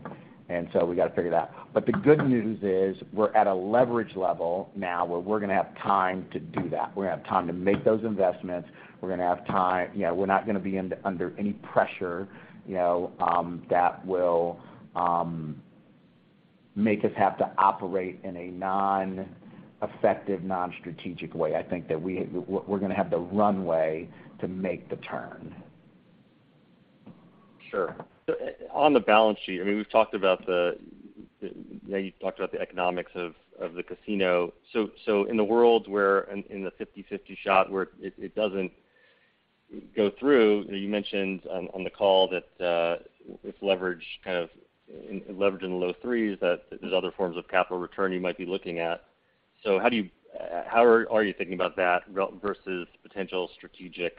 we got to figure it out. The good news is, we're at a leverage level now where we're going to have time to do that. We're going to have time to make those investments. We're going to have time. You know, we're not going to be under any pressure, you know, that will make us have to operate in a non-effective, non-strategic way. I think that we're going to have the runway to make the turn. Sure. On the balance sheet, I mean, we've talked about the economics of the casino. In the world where in the 50/50 shot, where it doesn't go through, you mentioned on the call that with leverage, kind of leverage in the low 3s, that there's other forms of capital return you might be looking at. How do you, how are you thinking about that, versus potential strategic,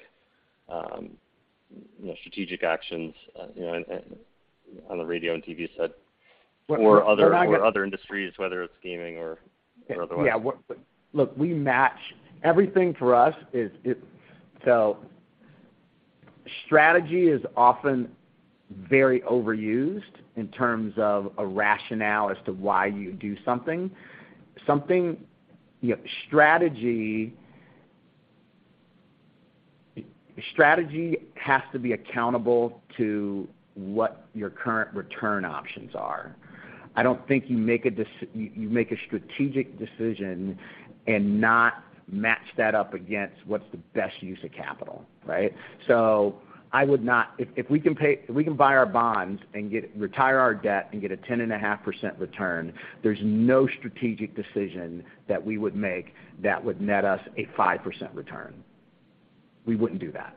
you know, strategic actions, you know, on the radio and TV set or other industries, whether it's gaming or otherwise? Yeah. Look, everything for us is, strategy is often very overused in terms of a rationale as to why you do something. You know, strategy has to be accountable to what your current return options are. I don't think you make a strategic decision and not match that up against what's the best use of capital, right? If we can buy our bonds and retire our debt and get a 10.5% return, there's no strategic decision that we would make that would net us a 5% return. We wouldn't do that.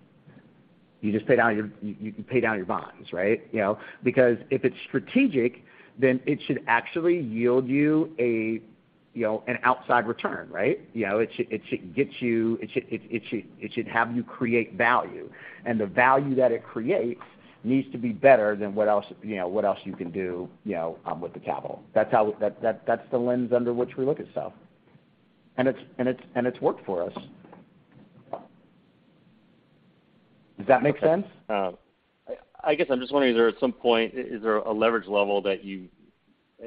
You can pay down your bonds, right? You know, because if it's strategic, then it should actually yield you a, you know, an outside return, right? You know, it should have you create value, and the value that it creates needs to be better than what else, you know, what else you can do, you know, with the capital. That's the lens under which we look at stuff. It's worked for us. Does that make sense? I guess I'm just wondering, is there at some point a leverage level that you.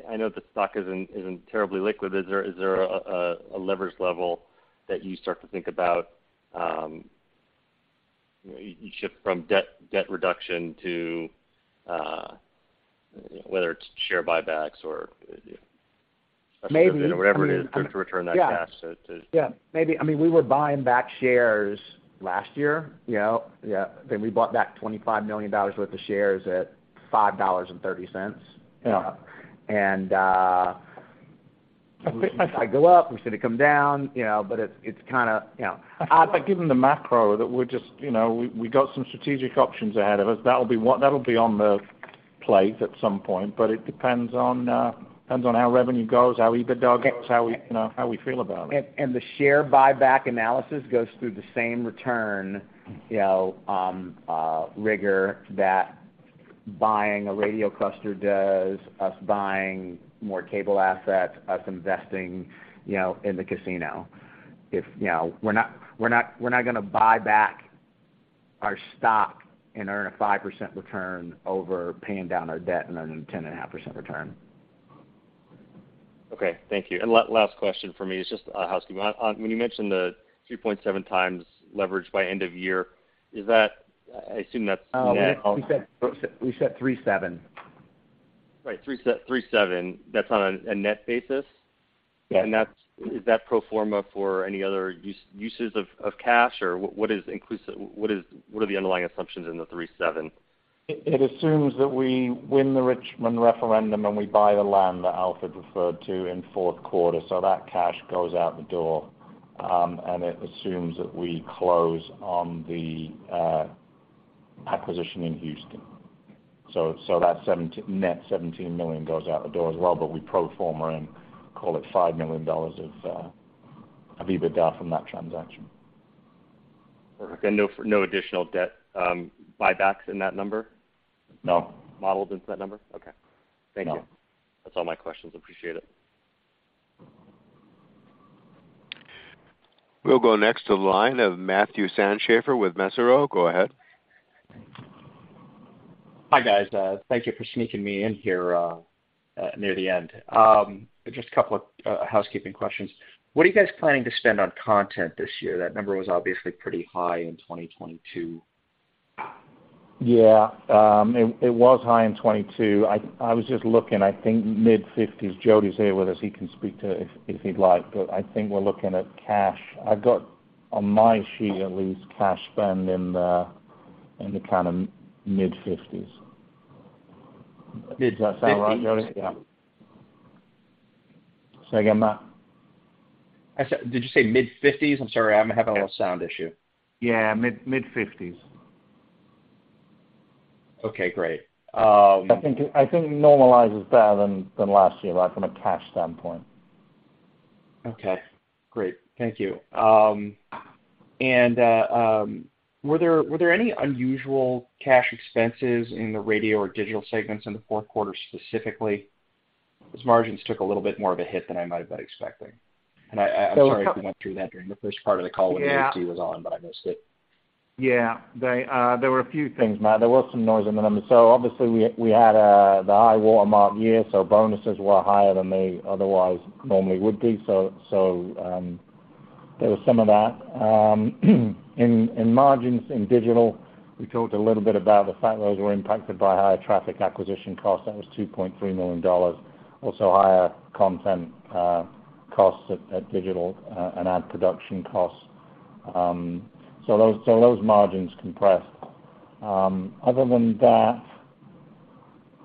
I know the stock isn't terribly liquid. Is there a leverage level that you start to think about, you shift from debt reduction to whether it's share buybacks or... Maybe- Whatever it is to return that cash? Yeah. Yeah, maybe. I mean, we were buying back shares last year, you know? Yeah, I think we bought back $25 million worth of shares at $5.30. Yeah. I go up, we see it come down, you know, but it's kinda, you know. Given the macro, that we're just, you know, we got some strategic options ahead of us. That'll be on the plate at some point, but it depends on how revenue goes, how EBITDA goes, how we, you know, how we feel about it. The share buyback analysis goes through the same return, you know, rigor that buying a radio cluster does, us buying more cable assets, us investing, you know, in the casino. We're not gonna buy back our stock and earn a 5% return over paying down our debt and earning a 10.5% return. Okay, thank you. Last question for me is just housekeeping. On, when you mentioned the 3.7 times leverage by end of year, is that, I assume that's net? We said 37. Right, 37. That's on a net basis? Yeah. That's is that pro forma for any other uses of cash? What is inclusive, what are the underlying assumptions in the 37? It assumes that we win the Richmond referendum. We buy the land that Alfred referred to in Q4. That cash goes out the door. It assumes that we close on the acquisition in Houston. That net $17 million goes out the door as well. We pro forma and call it $5 million of EBITDA from that transaction. Perfect. No, no additional debt buybacks in that number? No. Modeled into that number? Okay. No. Thank you. That's all my questions. Appreciate it. We'll go next to the line of Matthew Sandschafer with Mesirow. Go ahead. Hi, guys. Thank you for sneaking me in here, near the end. Just a couple of housekeeping questions. What are you guys planning to spend on content this year? That number was obviously pretty high in 2022. Yeah, it was high in 2022. I was just looking, I think mid-$50s. Jody's here with us, he can speak to it if he'd like, but I think we're looking at cash. I've got, on my sheet at least, cash spend in the kind of mid-$50s. Does that sound right, Jody? Fifties? Yeah. Say again, Matt? I said, did you say mid-50s? I'm sorry, I'm having a little sound issue. Yeah, mid-50s. Okay, great. I think it normalizes better than last year, Matt, from a cash standpoint. Okay, great. Thank you. Were there any unusual cash expenses in the radio or digital segments in the Q4, specifically? Those margins took a little bit more of a hit than I might have been expecting. So a-... I'm sorry if you went through that during the first part of the call. Yeah When Jody was on, but I missed it. They, there were a few things, Matt. There was some noise in the numbers. Obviously, we had the high watermark year, so bonuses were higher than they otherwise normally would be. There was some of that. In margins, in digital, we talked a little bit about the fact those were impacted by higher traffic acquisition costs. That was $2.3 million. Also, higher content costs at digital and ad production costs. Those margins compressed. Other than that,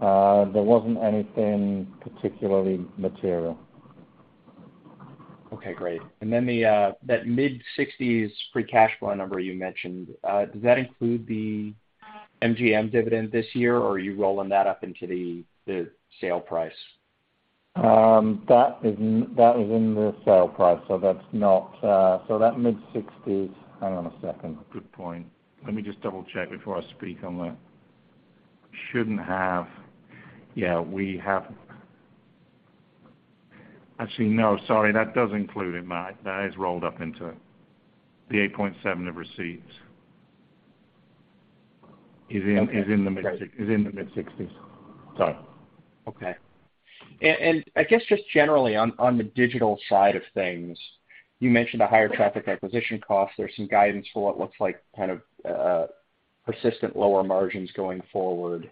there wasn't anything particularly material. Okay, great. The that mid-60s free cash flow number you mentioned, does that include the MGM dividend this year, or are you rolling that up into the sale price? That is in the sale price, that's not... That mid-60s. Hang on a second. Good point. Let me just double-check before I speak on that. Shouldn't have... We have. Actually, no, sorry, that does include it, Matt. That is rolled up into it. The 8.7 of receipts is in- Okay is in the mid-60s. Sorry. Okay. I guess just generally on the digital side of things, you mentioned the higher traffic acquisition costs. There's some guidance for what looks like kind of persistent lower margins going forward.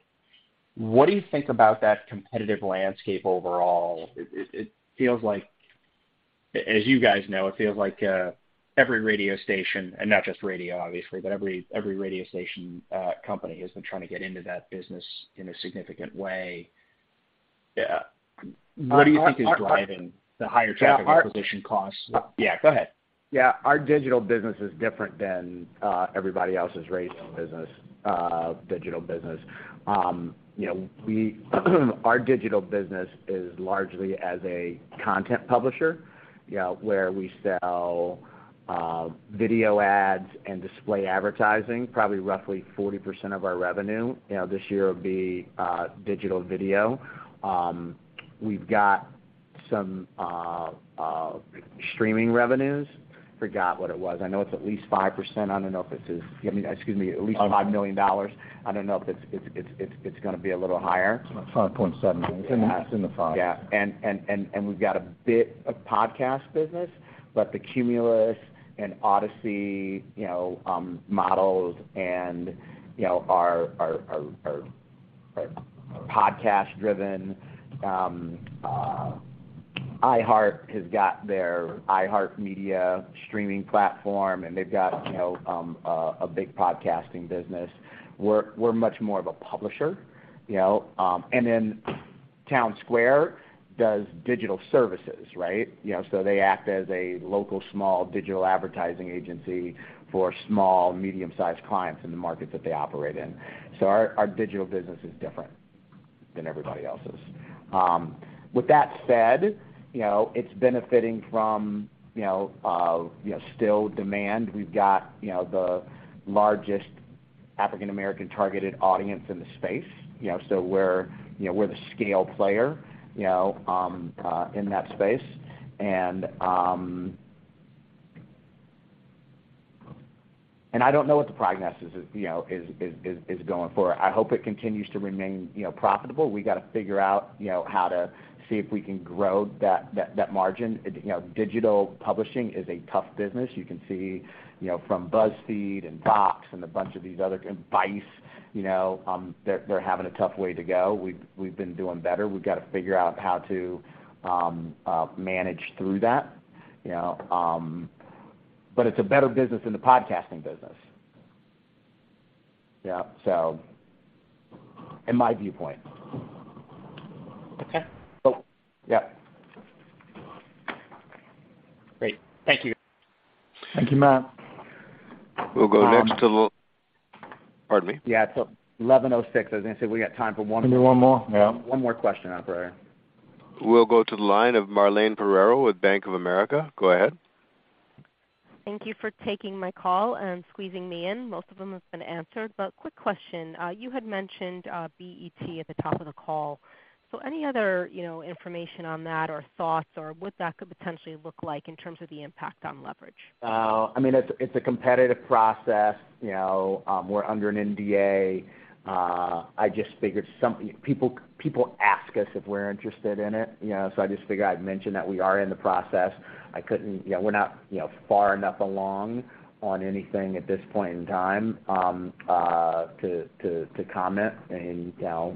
What do you think about that competitive landscape overall? It feels like, as you guys know, it feels like every radio station, and not just radio, obviously, but every radio station company has been trying to get into that business in a significant way. What do you think is driving the higher traffic acquisition costs? Yeah. Yeah, go ahead. Yeah. Our digital business is different than everybody else's radio business, digital business. You know, we, our digital business is largely as a content publisher, you know, where we sell video ads and display advertising. Probably roughly 40% of our revenue, you know, this year will be digital video. Some streaming revenues. Forgot what it was. I know it's at least 5%. I don't know if it's, excuse me, at least $5 million. I don't know if it's gonna be a little higher. It's 5.7. It's in the 5. Yeah, we've got a bit of podcast business, but the Cumulus and Audacy, you know, models and, you know, are podcast-driven. iHeart has got their iHeartMedia streaming platform, and they've got, you know, a big podcasting business. We're much more of a publisher, you know. Townsquare does digital services, right? You know, they act as a local, small digital advertising agency for small, medium-sized clients in the markets that they operate in. Our digital business is different than everybody else's. With that said, you know, it's benefiting from, you know, still demand. We've got, you know, the largest African-American-targeted audience in the space. You know, we're the scale player, you know, in that space. I don't know what the prognosis is, you know, going forward. I hope it continues to remain, you know, profitable. We gotta figure out, you know, how to see if we can grow that margin. You know, digital publishing is a tough business. You can see, you know, from BuzzFeed and Cox and a bunch of these other, and Vice, you know, they're having a tough way to go. We've been doing better. We've gotta figure out how to manage through that, you know. It's a better business than the podcasting business. In my viewpoint. Okay. Yeah. Great. Thank you. Thank you, Matt. We'll go next to the... Pardon me? It's 11:06. I was gonna say, we got time for one more. Maybe one more, yeah. One more question, operator. We'll go to the line of Marlene Perrero with Bank of America. Go ahead. Thank you for taking my call and squeezing me in. Most of them have been answered, but quick question. You had mentioned BET at the top of the call. Any other, you know, information on that, or thoughts, or what that could potentially look like in terms of the impact on leverage? I mean, it's a competitive process. You know, we're under an NDA. I just figured people ask us if we're interested in it, you know, I just figured I'd mention that we are in the process. You know, we're not, you know, far enough along on anything at this point in time to comment. You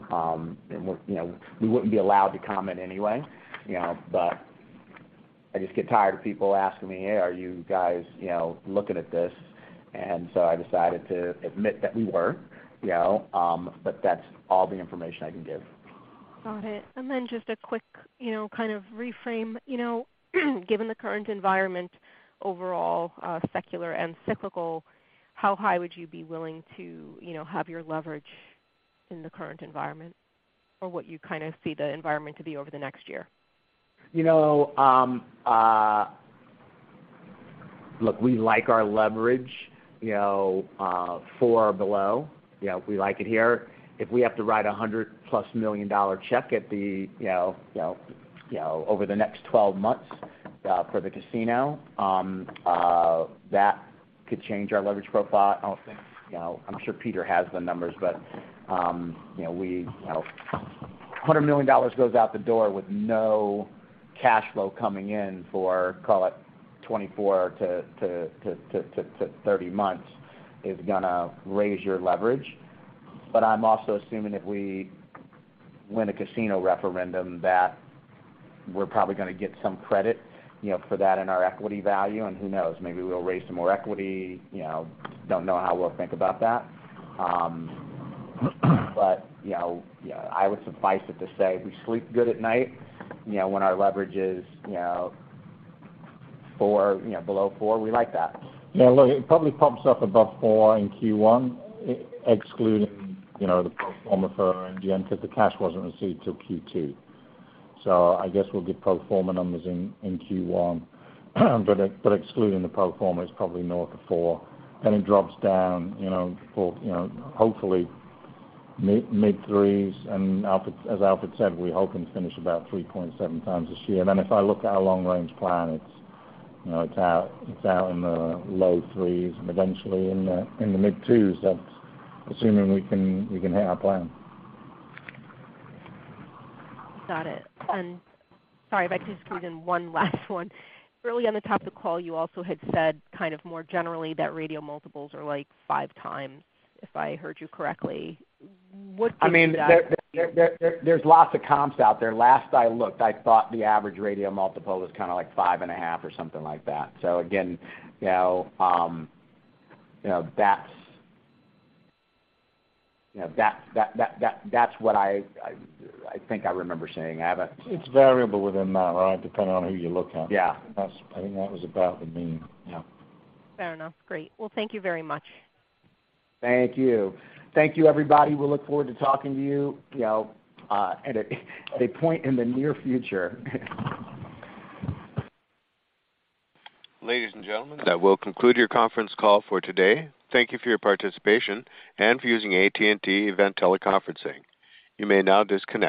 know, we wouldn't be allowed to comment anyway, you know. I just get tired of people asking me, "Hey, are you guys, you know, looking at this?" I decided to admit that we were, you know, that's all the information I can give. Got it. Then just a quick, you know, kind of reframe. You know, given the current environment, overall, secular and cyclical, how high would you be willing to, you know, have your leverage in the current environment, or what you kind of see the environment to be over the next year? You know, look, we like our leverage, you know, four or below. You know, we like it here. If we have to write a $100+ million check at the, you know, over the next 12 months for the casino, that could change our leverage profile. You know, I'm sure Peter has the numbers, but, you know, $100 million goes out the door with no cash flow coming in for, call it, 24 to 30 months is gonna raise your leverage. I'm also assuming if we win a casino referendum, that we're probably gonna get some credit, you know, for that in our equity value. Who knows? Maybe we'll raise some more equity. You know, don't know how we'll think about that. You know, I would suffice it to say, we sleep good at night, you know, when our leverage is, you know, four, you know, below four. We like that. Look, it probably pops up above four in Q1, excluding, you know, the pro forma for MGM, because the cash wasn't received till Q2. I guess we'll give pro forma numbers in Q1. Excluding the pro forma, it's probably north of 4. It drops down, you know, for, you know, hopefully mid 3s. Alfred, as Alfred said, we're hoping to finish about 3.7 times this year. If I look at our long-range plan, it's, you know, it's out in the low 3s and eventually in the mid 2s. That's assuming we can hit our plan. Got it. Sorry, if I could just squeeze in one last one. Early on the top of the call, you also had said kind of more generally, that radio multiples are, like, 5x, if I heard you correctly. What does that? I mean, there's lots of comps out there. Last I looked, I thought the average radio multiple was kind of, like, 5.5 or something like that. Again, you know, you know, that's what I think I remember seeing. It's variable within that range, depending on who you look at. Yeah. I think that was about the mean, yeah. Fair enough. Great. Well, thank you very much. Thank you. Thank you, everybody. We look forward to talking to you know, at a point in the near future. Ladies and gentlemen, that will conclude your conference call for today. Thank you for your participation and for using AT&T Event Teleconferencing. You may now disconnect.